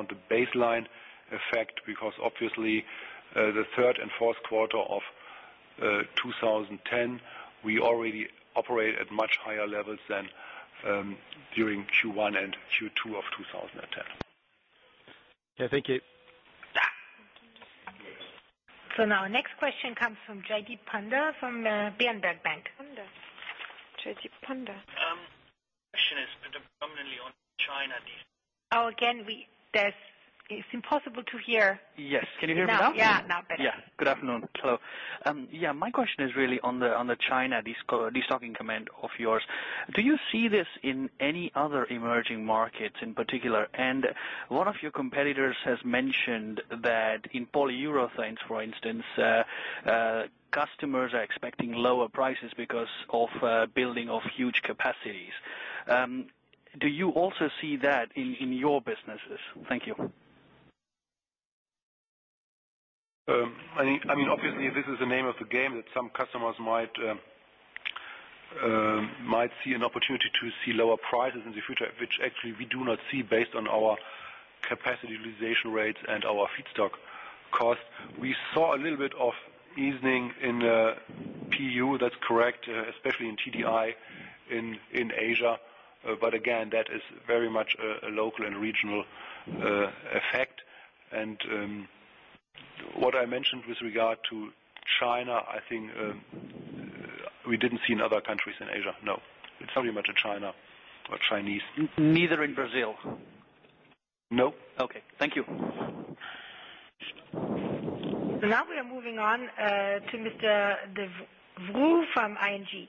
the baseline effect, because obviously, the third and fourth quarter of 2010, we already operate at much higher levels than during Q1 and Q2 of 2010. Yeah. Thank you. Now our next question comes from Jaideep Pandya from Berenberg Bank. Jaideep Pandya. Question is predominantly on China. It's impossible to hear. Yes. Can you hear me now? Yeah. Now better. Yeah. Good afternoon. Hello. My question is really on the China destocking comment of yours. Do you see this in any other emerging markets in particular? One of your competitors has mentioned that in polyurethanes, for instance, customers are expecting lower prices because of building of huge capacities. Do you also see that in your businesses? Thank you. I mean, obviously, this is the name of the game, that some customers might see an opportunity to see lower prices in the future, which actually we do not see based on our capacity utilization rates and our feedstock cost. We saw a little bit of easing in PU, that's correct, especially in TDI in Asia. But again, that is very much a local and regional effect. What I mentioned with regard to China, I think, we didn't see in other countries in Asia. No. It's very much a China or Chinese- Neither in Brazil? No. Okay. Thank you. Now we are moving on to Mr. De Vree from ING.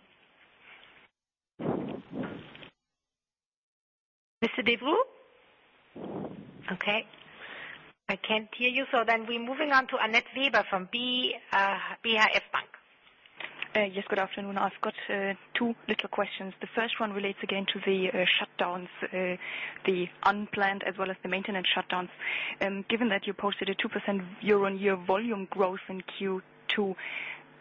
Mr. De Vree? Okay. I can't hear you, so then we're moving on to Annett Weber from BHF- Bank. Yes. Good afternoon. I've got two little questions. The first one relates again to the shutdowns, the unplanned as well as the maintenance shutdowns. Given that you posted a 2% year-on-year volume growth in Q2,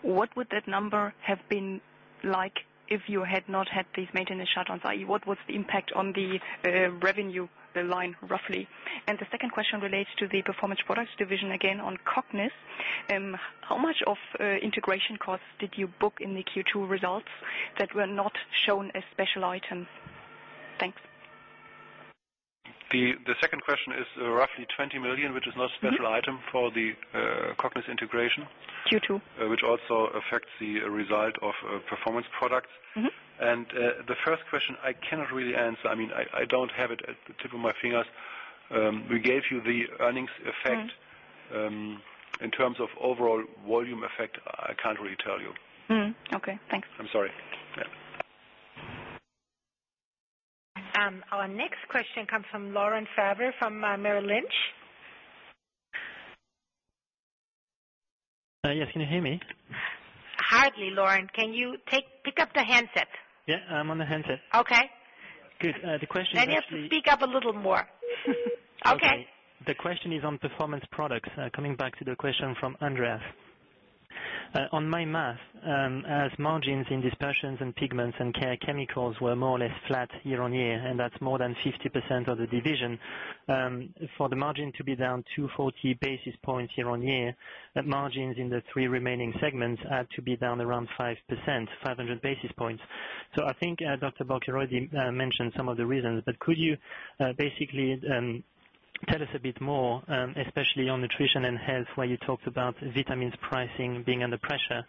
what would that number have been like if you had not had these maintenance shutdowns? I.e., what was the impact on the revenue, the line, roughly? The second question relates to the Performance Products division, again, on Cognis. How much of integration costs did you book in the Q2 results that were not shown as special item? Thanks. The second question is roughly 20 million, which is not a special item for the Cognis integration. Q2. Which also affects the result of Performance Products. Mm-hmm. The first question I cannot really answer. I mean, I don't have it at the tip of my fingers. We gave you the earnings effect. Mm. In terms of overall volume effect, I can't really tell you. Okay, thanks. I'm sorry. Yeah. Our next question comes from Laurent Favre from Merrill Lynch. Yes, can you hear me? Hardly, Laurent, can you pick up the handset? Yeah, I'm on the handset. Okay. Good. The question actually. You have to speak up a little more. Okay. The question is on performance products. Coming back to the question from Andreas. On my math, as margins in dispersions and pigments and care chemicals were more or less flat year-on-year, and that's more than 50% of the division. For the margin to be down 240 basis points year-on-year, the margins in the three remaining segments had to be down around 5%, 500 basis points. I think, Dr. Bock already mentioned some of the reasons, but could you basically tell us a bit more, especially on nutrition and health, where you talked about vitamins pricing being under pressure.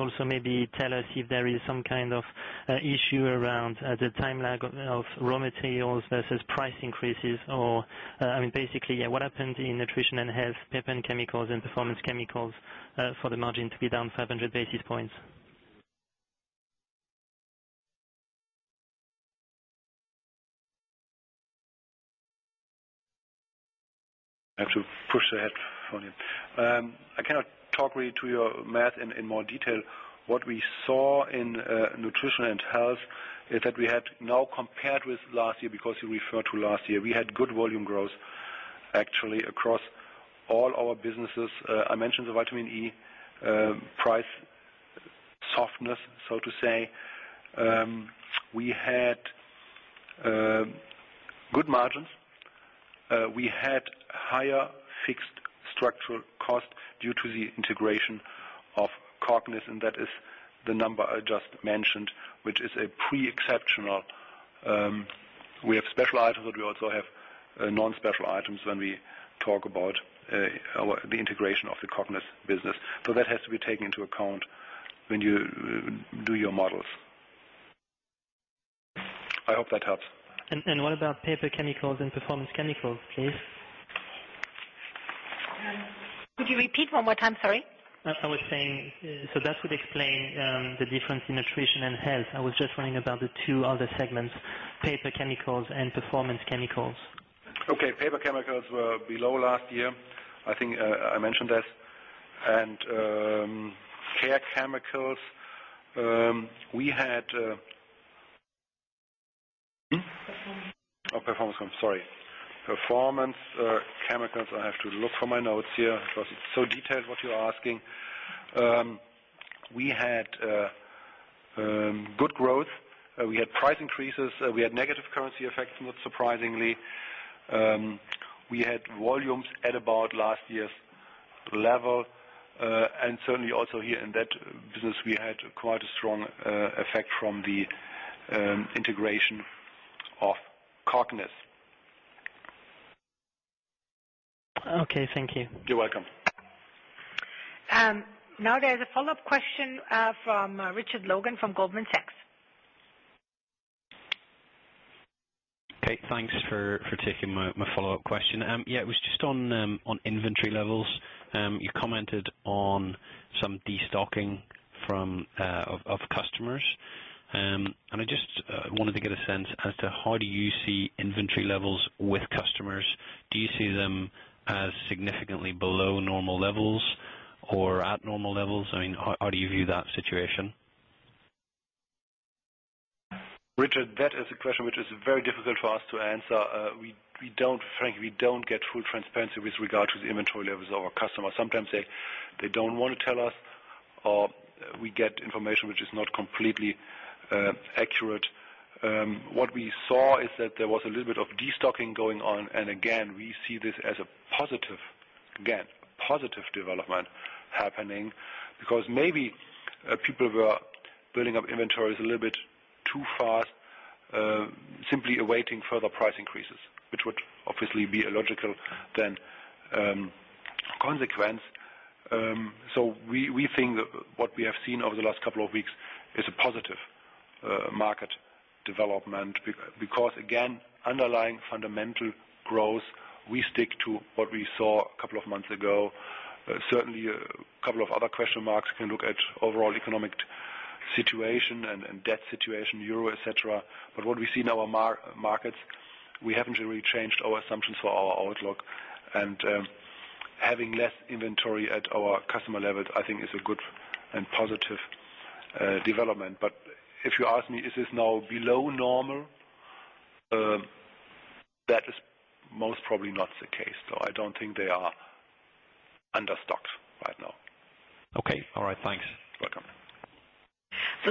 Also maybe tell us if there is some kind of issue around the time lag of raw materials versus price increases or I mean basically yeah what happened in nutrition and health, paper chemicals and performance chemicals for the margin to be down 500 basis points? I have to push ahead for you. I cannot talk really to your math in more detail. What we saw in nutrition and health is that we had now compared with last year, because you referred to last year, we had good volume growth, actually, across all our businesses. I mentioned the vitamin E price softness, so to say. We had good margins. We had higher fixed structural costs due to the integration of Cognis, and that is the number I just mentioned, which is a pre-exceptional. We have special items, but we also have non-special items when we talk about the integration of the Cognis business. That has to be taken into account when you do your models. I hope that helps. What about paper chemicals and performance chemicals, please? Could you repeat one more time? Sorry. I was saying, so that would explain the difference in Nutrition and Health. I was just wondering about the two other segments, Paper Chemicals and Performance Chemicals. Okay. Paper Chemicals were below last year. I think I mentioned this. Care Chemicals, we had. Performance. Performance chemicals, I have to look for my notes here because it's so detailed what you're asking. We had good growth. We had price increases. We had negative currency effects, not surprisingly. We had volumes at about last year's level. Certainly also here in that business, we had quite a strong effect from the integration of Cognis. Okay, thank you. You're welcome. Now there's a follow-up question from Richard Logan from Goldman Sachs. Okay, thanks for taking my follow-up question. Yeah, it was just on inventory levels. You commented on some destocking of customers. I just wanted to get a sense as to how do you see inventory levels with customers? Do you see them as significantly below normal levels or at normal levels? I mean, how do you view that situation? Richard, that is a question which is very difficult for us to answer. We frankly don't get full transparency with regard to the inventory levels of our customers. Sometimes they don't want to tell us, or we get information which is not completely accurate. What we saw is that there was a little bit of destocking going on. We see this as a positive development happening because maybe people were building up inventories a little bit too fast simply awaiting further price increases, which would obviously be a logical consequence. We think that what we have seen over the last couple of weeks is a positive market development because again, underlying fundamental growth we stick to what we saw a couple of months ago. Certainly a couple of other question marks can look at overall economic situation and debt situation, euro, et cetera. What we see in our markets, we haven't really changed our assumptions for our outlook. Having less inventory at our customer level, I think is a good and positive development. If you ask me, is this now below normal? That is most probably not the case, so I don't think they are understocked right now. Okay. All right. Thanks. You're welcome.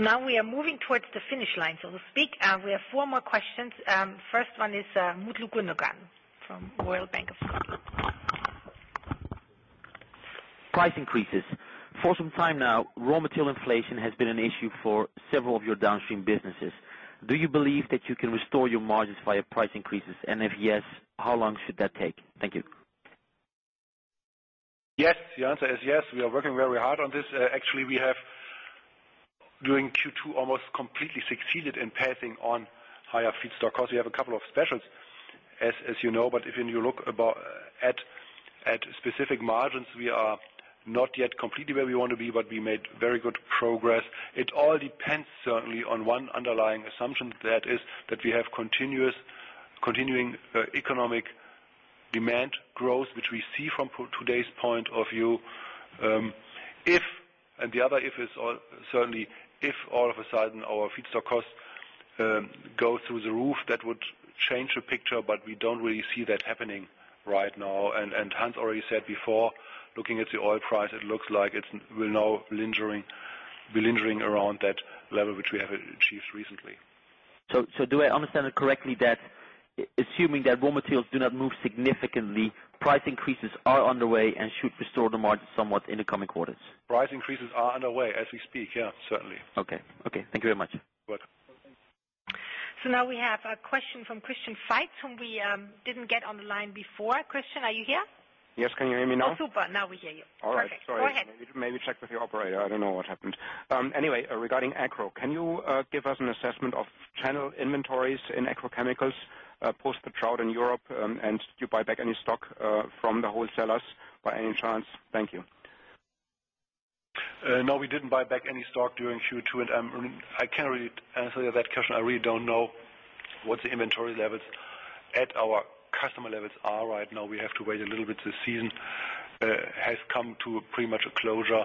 Now we are moving towards the finish line, so to speak. We have four more questions. First one is, Mutlu Güngören from Royal Bank of Scotland. Price increases. For some time now, raw material inflation has been an issue for several of your downstream businesses. Do you believe that you can restore your margins via price increases? And if yes, how long should that take? Thank you. Yes. The answer is yes. We are working very hard on this. Actually, we have, during Q2, almost completely succeeded in passing on higher feedstock, because we have a couple of specials, as you know. If you look at specific margins, we are not yet completely where we want to be, but we made very good progress. It all depends certainly on one underlying assumption, that is that we have continuing economic demand growth, which we see from today's point of view. If, and the other if is, certainly, if all of a sudden our feedstock costs go through the roof, that would change the picture, but we don't really see that happening right now. Hans already said before, looking at the oil price, it looks like it will now be lingering around that level which we have achieved recently. Do I understand it correctly that assuming that raw materials do not move significantly, price increases are underway and should restore the margin somewhat in the coming quarters? Price increases are underway as we speak, yeah, certainly. Okay. Thank you very much. You're welcome. Now we have a question from Christian-Matthias Jutzi, whom we didn't get on the line before. Christian, are you here? Yes. Can you hear me now? Oh, super. Now we hear you. All right. Perfect. Go ahead. Maybe check with your operator. I don't know what happened. Anyway, regarding agro, can you give us an assessment of channel inventories in agrochemicals post the drought in Europe, and do you buy back any stock from the wholesalers by any chance? Thank you. No, we didn't buy back any stock during Q2. I can't really answer that question. I really don't know what the inventory levels at our customer levels are right now. We have to wait a little bit. The season has come to pretty much a closure.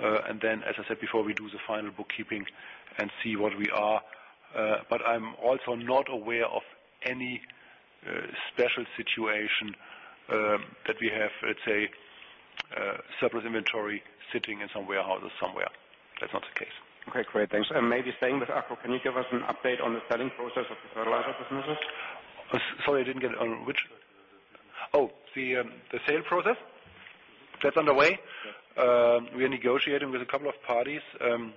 As I said before, we do the final bookkeeping and see where we are. I'm also not aware of any special situation that we have, let's say, surplus inventory sitting in some warehouses somewhere. That's not the case. Okay, great. Thanks. Maybe staying with agro, can you give us an update on the selling process of the fertilizer businesses? Sorry, I didn't get it. Which? Oh, the sale process? That's underway. We are negotiating with a couple of parties, and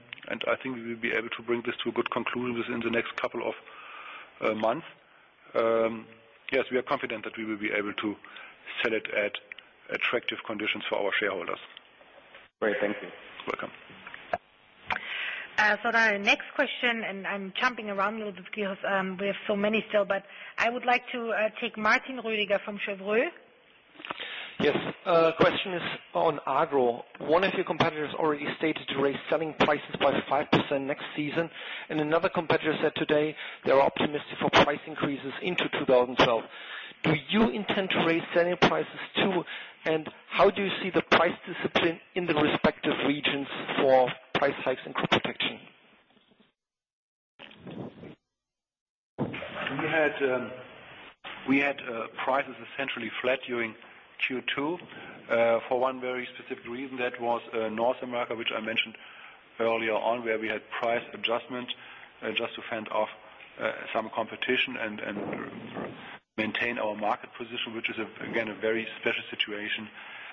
I think we will be able to bring this to a good conclusion within the next couple of months. Yes, we are confident that we will be able to sell it at attractive conditions for our shareholders. Great. Thank you. You're welcome. Now the next question, and I'm jumping around a little bit because we have so many still, but I would like to take Martin Rüdiger from Cheuvreux. Yes. Question is on agro. One of your competitors already stated to raise selling prices by 5% next season, and another competitor said today they are optimistic for price increases into 2012. Do you intend to raise selling prices, too? And how do you see the price discipline in the respective regions for price hikes and crop protection? We had prices essentially flat during Q2 for one very specific reason. That was North America, which I mentioned earlier on, where we had price adjustment just to fend off some competition and maintain our market position, which is, again, a very special situation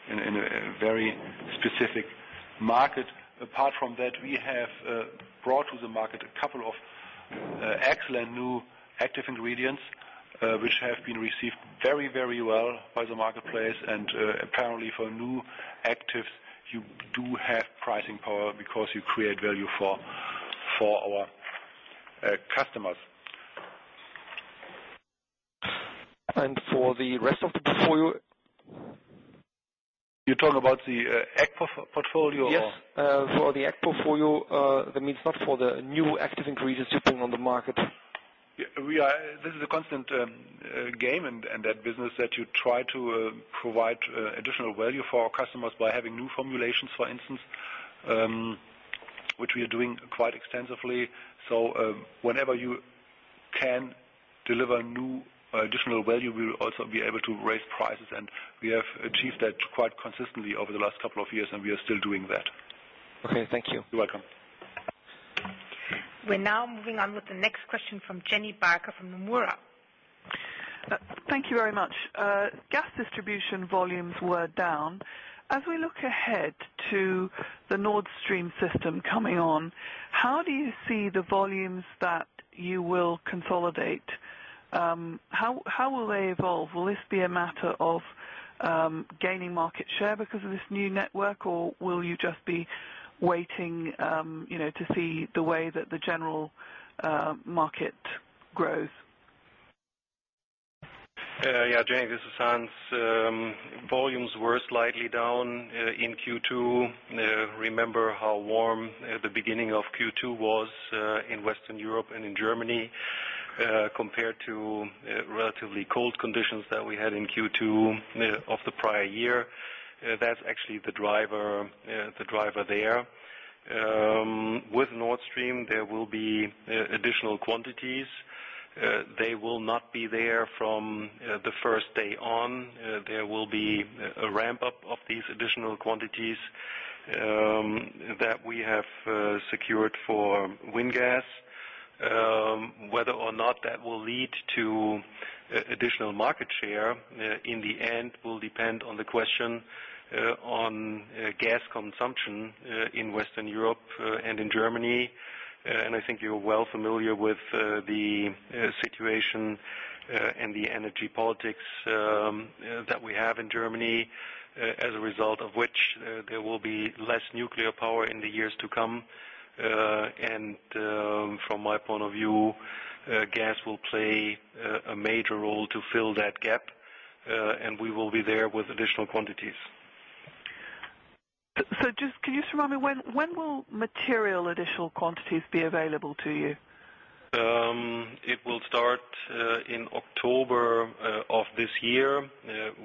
in a very specific market. Apart from that, we have brought to the market a couple of excellent new active ingredients, which have been received very, very well by the marketplace. Apparently for new actives, you do have pricing power because you create value for our customers. For the rest of the portfolio? You're talking about the ag portfolio or? Yes. For the ag portfolio, that means not for the new active ingredients you bring on the market. This is a constant game in that business, that you try to provide additional value for our customers by having new formulations, for instance, which we are doing quite extensively. Whenever you can deliver new additional value, we will also be able to raise prices, and we have achieved that quite consistently over the last couple of years, and we are still doing that. Okay, thank you. You're welcome. We're now moving on with the next question from Jenny Barker from Nomura. Thank you very much. Gas distribution volumes were down. As we look ahead to the Nord Stream system coming on, how do you see the volumes that you will consolidate? How will they evolve? Will this be a matter of gaining market share because of this new network, or will you just be waiting, you know, to see the way that the general market grows? Yeah, Jenny, this is Hans. Volumes were slightly down in Q2. Remember how warm the beginning of Q2 was in Western Europe and in Germany compared to relatively cold conditions that we had in Q2 of the prior year. That's actually the driver there. With Nord Stream, there will be additional quantities. They will not be there from the first day on. There will be a ramp-up of these additional quantities that we have secured for WINGAS, whether or not that will lead to additional market share in the end will depend on the question on gas consumption in Western Europe and in Germany. I think you're well familiar with the situation and the energy politics that we have in Germany, as a result of which there will be less nuclear power in the years to come. From my point of view, gas will play a major role to fill that gap, and we will be there with additional quantities. Just, can you just remind me, when will material additional quantities be available to you? It will start in October of this year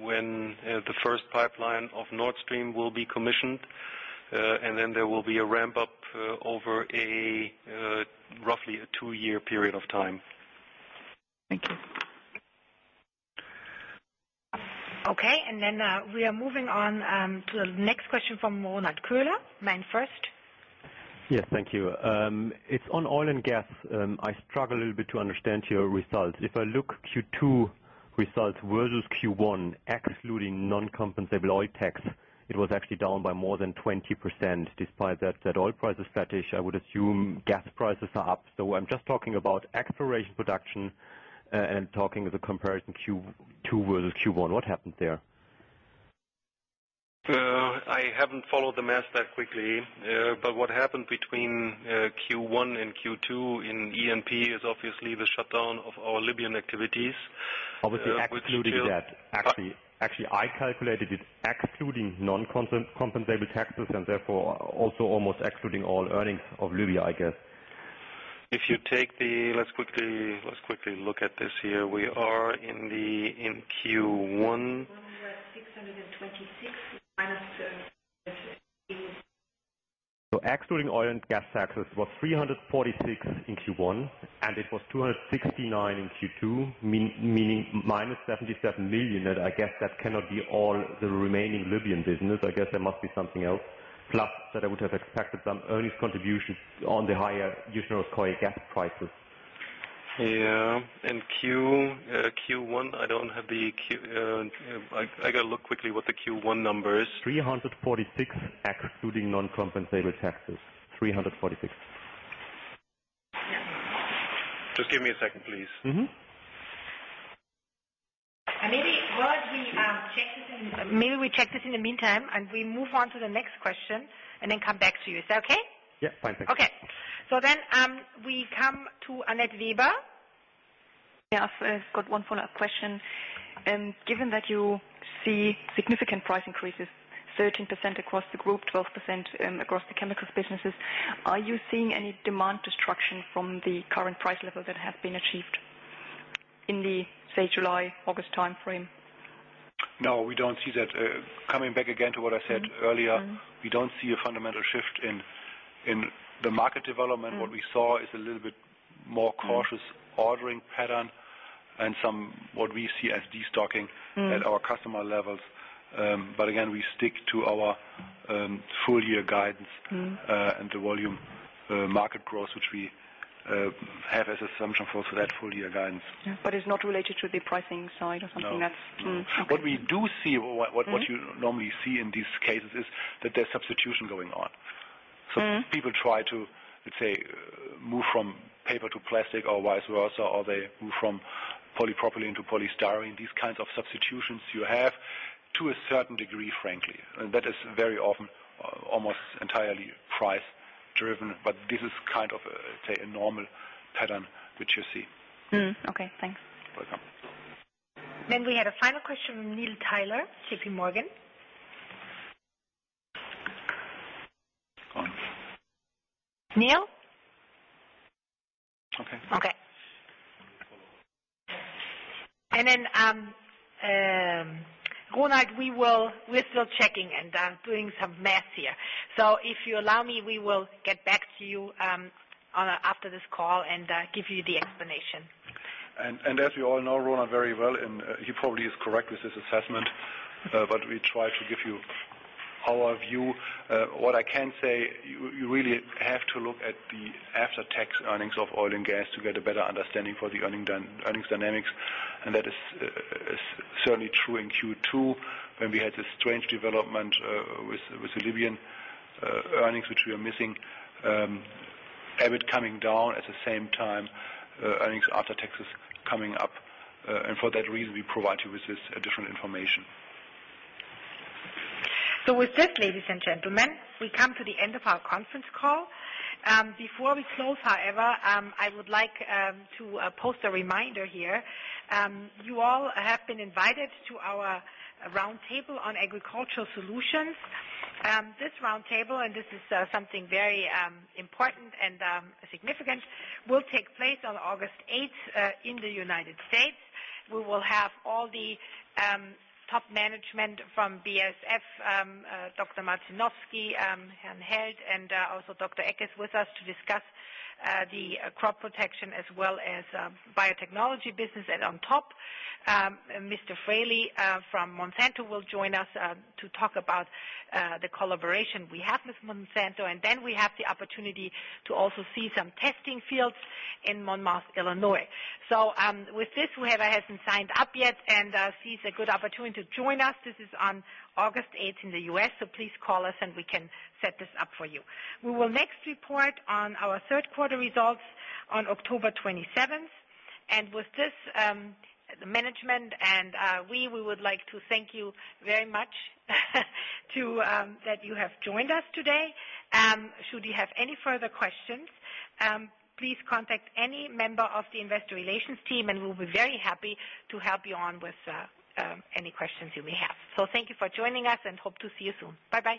when the first pipeline of Nord Stream will be commissioned. There will be a ramp up over a roughly two-year period of time. Thank you. Okay. We are moving on to the next question from Ronald Köhler, MainFirst. Yes. Thank you. It's on oil and gas. I struggle a little bit to understand your results. If I look at Q2 results versus Q1, excluding non-compensable oil tax, it was actually down by more than 20%, despite that oil prices were higher. I would assume gas prices are up. I'm just talking about exploration & production and the comparison Q2 versus Q1. What happened there? I haven't followed the math that quickly, but what happened between Q1 and Q2 in E&P is obviously the shutdown of our Libyan activities, which still Obviously excluding that. Actually, I calculated it excluding non-compensable taxes, and therefore, also almost excluding all earnings of Libya, I guess. Let's quickly look at this here. We are in Q1. 626 minus the Excluding oil and gas taxes, it was 346 million in Q1, and it was 269 million in Q2, meaning minus 77 million, and I guess that cannot be all the remaining Libyan business. I guess there must be something else. Plus, that I would have expected some earnings contributions on the higher oil and gas prices. Yeah. In Q1, I don't have the Q1. I gotta look quickly what the Q1 number is. 346 excluding non-compensable taxes. 346. Yeah. Just give me a second, please. Mm-hmm. Maybe, Ronald, we check this in the meantime, and we move on to the next question, and then come back to you. Is that okay? Yeah. Fine. Thanks. Okay. We come to Anett Weber. Yeah. I've got one follow-up question. Given that you see significant price increases, 13% across the group, 12% across the chemicals businesses, are you seeing any demand destruction from the current price level that has been achieved in the, say, July-August timeframe? No, we don't see that. Coming back again to what I said earlier. Mm-hmm. We don't see a fundamental shift in the market development. Mm-hmm. What we saw is a little bit more cautious ordering pattern and somewhat what we see as destocking. Mm. at our customer levels. Again, we stick to our full-year guidance. Mm. the volume, market growth, which we have as assumption for that full-year guidance. Yeah. It's not related to the pricing side or something that's. No. Okay. What we do see or what Mm-hmm. You normally see in these cases is that there's substitution going on. Mm. People try to, let's say, move from paper to plastic or vice versa, or they move from polypropylene to polystyrene. These kinds of substitutions you have to a certain degree, frankly. That is very often almost entirely price-driven, but this is kind of, say, a normal pattern which you see. Okay, thanks. Welcome. We had a final question from Neil Tyler, JP Morgan. Go on. Neil? Okay. Ronald Köhler, we're still checking and doing some math here. If you allow me, we will get back to you after this call and give you the explanation. As we all know Ronald very well, and he probably is correct with his assessment, but we try to give you our view. What I can say, you really have to look at the after-tax earnings of oil and gas to get a better understanding for the earning dynamics, and that is certainly true in Q2, when we had this strange development with the Libyan earnings, which we are missing. EBIT coming down at the same time, earnings after taxes coming up, and for that reason, we provide you with this different information. With this, ladies and gentlemen, we come to the end of our conference call. Before we close, however, I would like to post a reminder here. You all have been invited to our roundtable on Agricultural Solutions. This roundtable, and this is something very important and significant, will take place on August eighth in the United States. We will have all the top management from BASF, Markus Heldt with us to discuss the Crop Protection as well as biotechnology business. On top, Mr. Fraley from Monsanto will join us to talk about the collaboration we have with Monsanto. Then we have the opportunity to also see some testing fields in Monmouth, Illinois. With this, whoever hasn't signed up yet and sees a good opportunity to join us, this is on August 8 in the U.S., so please call us and we can set this up for you. We will next report on our third quarter results on October 27. With this, the management and we would like to thank you very much that you have joined us today. Should you have any further questions, please contact any member of the investor relations team, and we'll be very happy to help you on with any questions you may have. Thank you for joining us, and we hope to see you soon. Bye-bye.